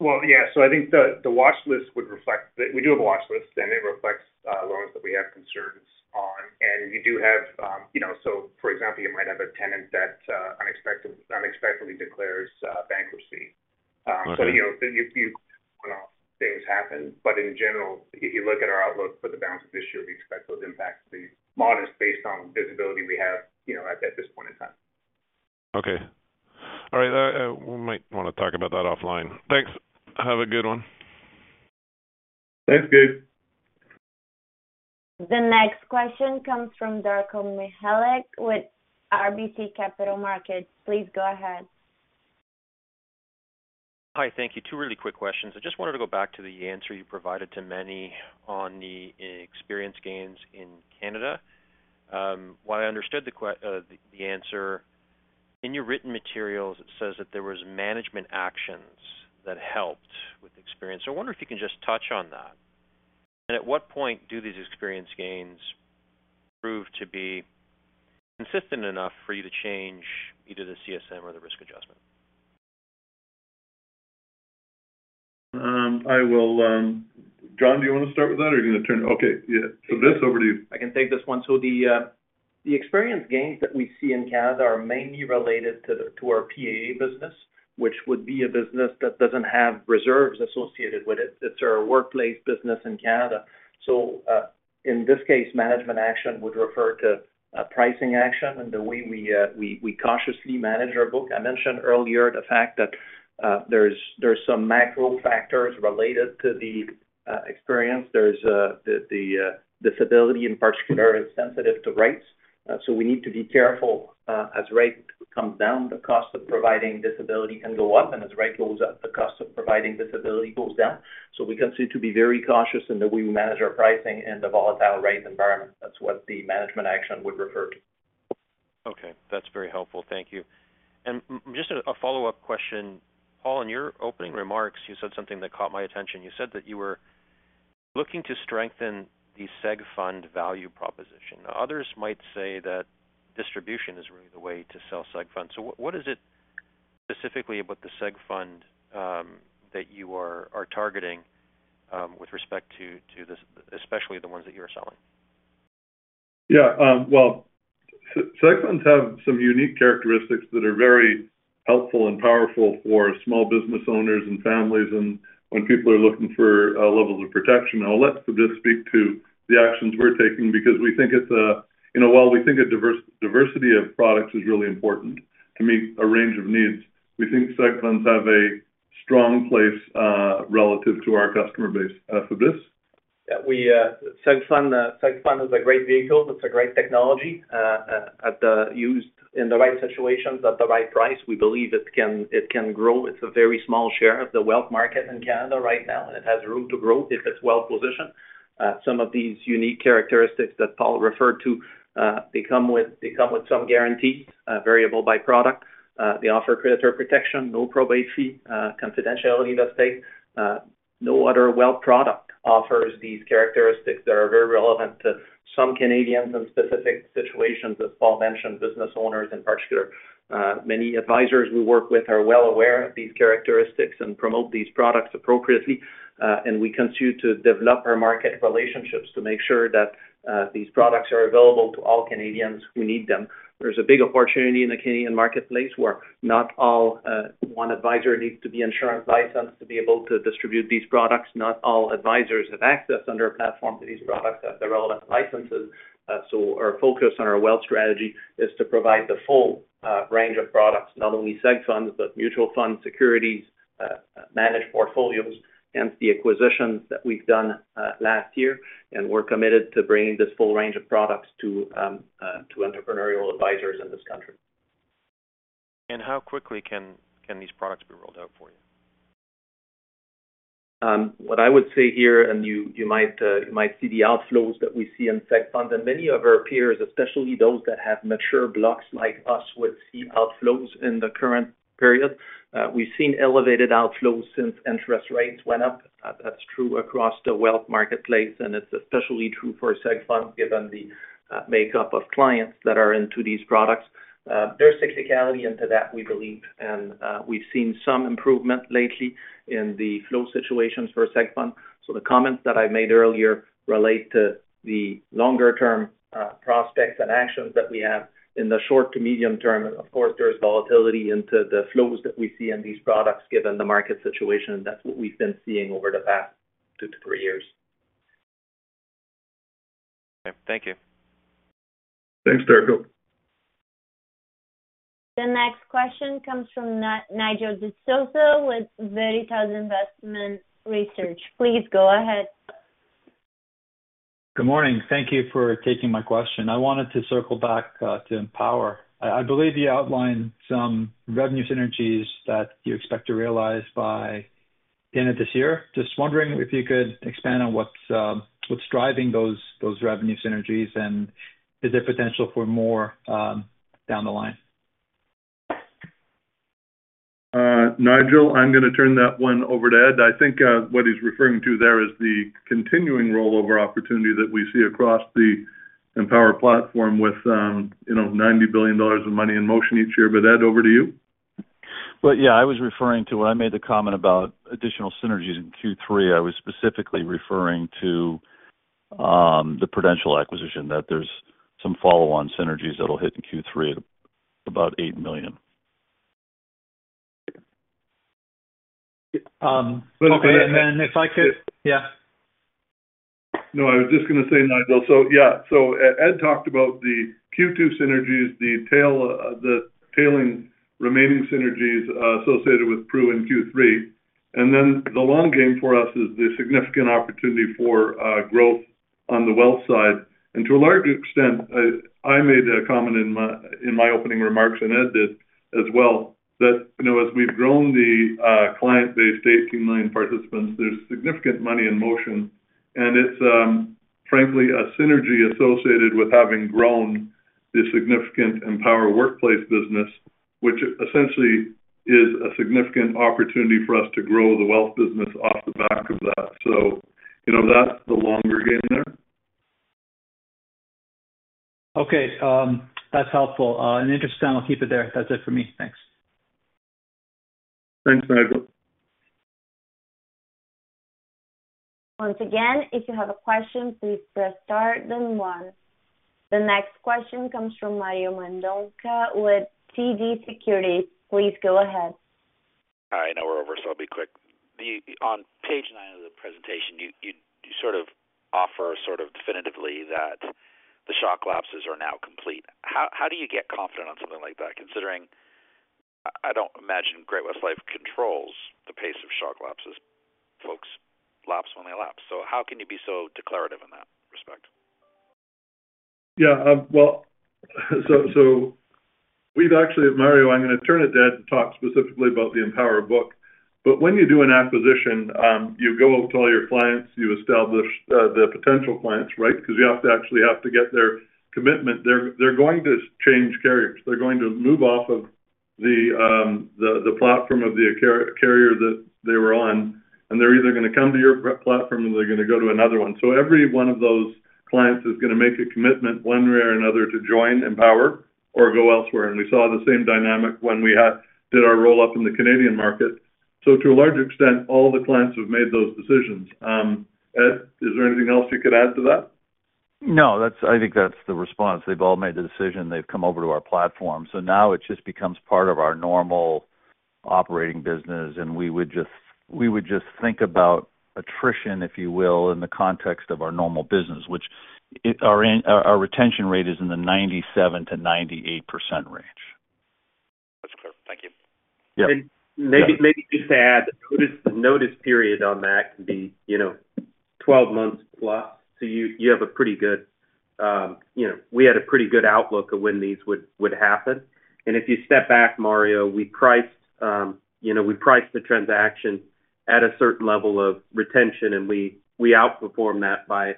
Well, yeah. So I think the watch list would reflect that we do have a watch list, and it reflects loans that we have concerns on. And you do have—so for example, you might have a tenant that unexpectedly declares bankruptcy. So you—one-off things happen. But in general, if you look at our outlook for the balance of this year, we expect those impacts to be modest based on visibility we have at this point in time. Okay. All right. We might want to talk about that offline. Thanks. Have a good one. Thanks, Gabe. The next question comes from Darko Mihelic with RBC Capital Markets. Please go ahead. Hi. Thank you. Two really quick questions. I just wanted to go back to the answer you provided to Meny on the experience gains in Canada. While I understood the answer, in your written materials, it says that there were management actions that helped with experience. So I wonder if you can just touch on that. At what point do these experience gains prove to be consistent enough for you to change either the CSM or the risk adjustment? Jon, do you want to start with that, or are you going to turn? Okay. Yeah. So this over to you. I can take this one. So the experience gains that we see in Canada are mainly related to our par business, which would be a business that doesn't have reserves associated with it. It's our workplace business in Canada. So in this case, management action would refer to pricing action and the way we cautiously manage our book. I mentioned earlier the fact that there's some macro factors related to the experience. There's the disability, in particular, is sensitive to rates. So we need to be careful as rate comes down. The cost of providing disability can go up. And as rate goes up, the cost of providing disability goes down. So we consider to be very cautious in the way we manage our pricing in the volatile rate environment. That's what the management action would refer to. Okay. That's very helpful. Thank you. And just a follow-up question. Paul, in your opening remarks, you said something that caught my attention. You said that you were looking to strengthen the SEG Fund value proposition. Others might say that distribution is really the way to sell SEG Fund. So what is it specifically about the SEG Fund that you are targeting with respect to especially the ones that you're selling? Yeah. Well, SEG Funds have some unique characteristics that are very helpful and powerful for small business owners and families and when people are looking for levels of protection. I'll let Fabrice speak to the actions we're taking because we think it's a, while we think a diversity of products is really important to meet a range of needs, we think seg funds have a strong place relative to our customer base. Fabrice? Yeah. SEG Fund is a great vehicle. It's a great technology. Used in the right situations at the right price, we believe it can grow. It's a very small share of the wealth market in Canada right now, and it has room to grow if it's well positioned. Some of these unique characteristics that Paul referred to, they come with some guarantees, variable by product. They offer creditor protection, no probate fee, confidentiality of the estate. No other wealth product offers these characteristics that are very relevant to some Canadians in specific situations, as Paul mentioned, business owners in particular. Many advisors we work with are well aware of these characteristics and promote these products appropriately. We continue to develop our market relationships to make sure that these products are available to all Canadians who need them. There's a big opportunity in the Canadian marketplace where not all one advisor needs to be insurance licensed to be able to distribute these products. Not all advisors have access under a platform to these products that have the relevant licenses. So our focus on our wealth strategy is to provide the full range of products, not only SEG Funds, but mutual funds, securities, managed portfolios, and the acquisitions that we've done last year. We're committed to bringing this full range of products to entrepreneurial advisors in this country. And how quickly can these products be rolled out for you? What I would say here, and you might see the outflows that we see in SEG Funds and many of our peers, especially those that have mature blocks like us, would see outflows in the current period. We've seen elevated outflows since interest rates went up. That's true across the wealth marketplace. And it's especially true for SEG Funds given the makeup of clients that are into these products. There's cyclicality into that, we believe. And we've seen some improvement lately in the flow situations for SEG Funds. So the comments that I made earlier relate to the longer-term prospects and actions that we have in the short to medium term. And of course, there's volatility into the flows that we see in these products given the market situation. That's what we've been seeing over the past 2-3 years. Okay. Thank you. Thanks, Darko. The next question comes from Nigel D'Souza with Veritas Investment Research. Please go ahead. Good morning. Thank you for taking my question. I wanted to circle back to Empower. I believe you outlined some revenue synergies that you expect to realize by the end of this year. Just wondering if you could expand on what's driving those revenue synergies and is there potential for more down the line? Nigel, I'm going to turn that one over to Ed. I think what he's referring to there is the continuing rollover opportunity that we see across the Empower platform with $90 billion of money in motion each year. But Ed, over to you. Well, yeah. I was referring to when I made the comment about additional synergies in Q3, I was specifically referring to the Prudential acquisition, that there's some follow-on synergies that'll hit in Q3 at about $8 million. Okay. And then if I could—yeah. No, I was just going to say, Nigel. So yeah. So Ed talked about the Q2 synergies, the tailing remaining synergies associated with Pru in Q3. And then the long game for us is the significant opportunity for growth on the wealth side. To a large extent, I made a comment in my opening remarks, and Ed did as well, that as we've grown the client-based 18 million participants, there's significant money in motion. And it's, frankly, a synergy associated with having grown the significant Empower workplace business, which essentially is a significant opportunity for us to grow the wealth business off the back of that. So that's the longer game there. Okay. That's helpful. An interesting. I'll keep it there. That's it for me. Thanks. Thanks, Nigel. Once again, if you have a question, please press star, then one. The next question comes from Mario Mendonca with TD Securities. Please go ahead. Hi. Now we're over, so I'll be quick. On page 9 of the presentation, you sort of offer definitively that the shock lapses are now complete. How do you get confident on something like that, considering I don't imagine Great-West Lifeco controls the pace of shock lapses? Folks lapse when they lapse. So how can you be so declarative in that respect? Yeah. Well, so we've actually, Mario, I'm going to turn it to Ed and talk specifically about the Empower book. But when you do an acquisition, you go up to all your clients, you establish the potential clients, right? Because you actually have to get their commitment. They're going to change carriers. They're going to move off of the platform of the carrier that they were on. And they're either going to come to your platform, or they're going to go to another one. So every one of those clients is going to make a commitment one way or another to join Empower or go elsewhere. And we saw the same dynamic when we did our roll-up in the Canadian market. So to a large extent, all the clients have made those decisions. Ed, is there anything else you could add to that? No. I think that's the response. They've all made the decision. They've come over to our platform. So now it just becomes part of our normal operating business. And we would just think about attrition, if you will, in the context of our normal business, which our retention rate is in the 97%-98% range. That's clear. Thank you. And maybe just to add, the notice period on that can be 12 months plus. So we had a pretty good outlook of when these would happen. If you step back, Mario, we priced the transaction at a certain level of retention, and we outperformed that by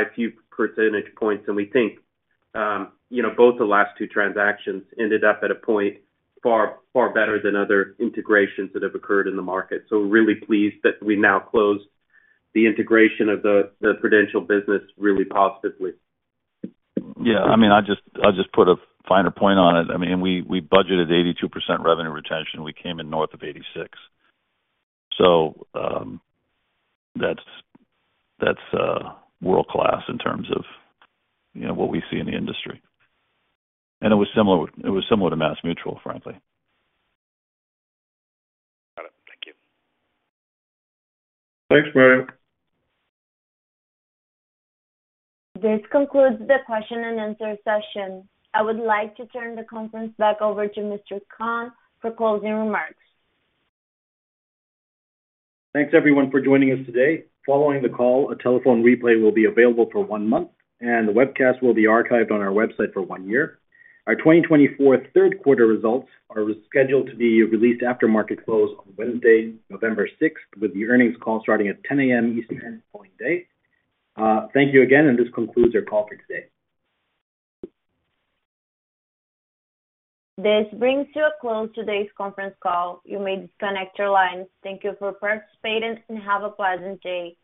a few percentage points. We think both the last two transactions ended up at a point far better than other integrations that have occurred in the market. So we're really pleased that we now closed the integration of the Prudential business really positively. Yeah. I mean, I'll just put a finer point on it. I mean, we budgeted 82% revenue retention. We came in north of 86. So that's world-class in terms of what we see in the industry. And it was similar to MassMutual, frankly. Got it. Thank you. Thanks, Mario. This concludes the question-and-answer session. I would like to turn the conference back over to Mr. Mahon for closing remarks. Thanks, everyone, for joining us today. Following the call, a telephone replay will be available for 1 month, and the webcast will be archived on our website for 1 year. Our 2024 third-quarter results are scheduled to be released after market close on Wednesday, November 6th, with the earnings call starting at 10:00 A.M. Eastern on the following day. Thank you again, and this concludes our call for today. This brings to a close today's conference call. You may disconnect your lines. Thank you for participating, and have a pleasant day.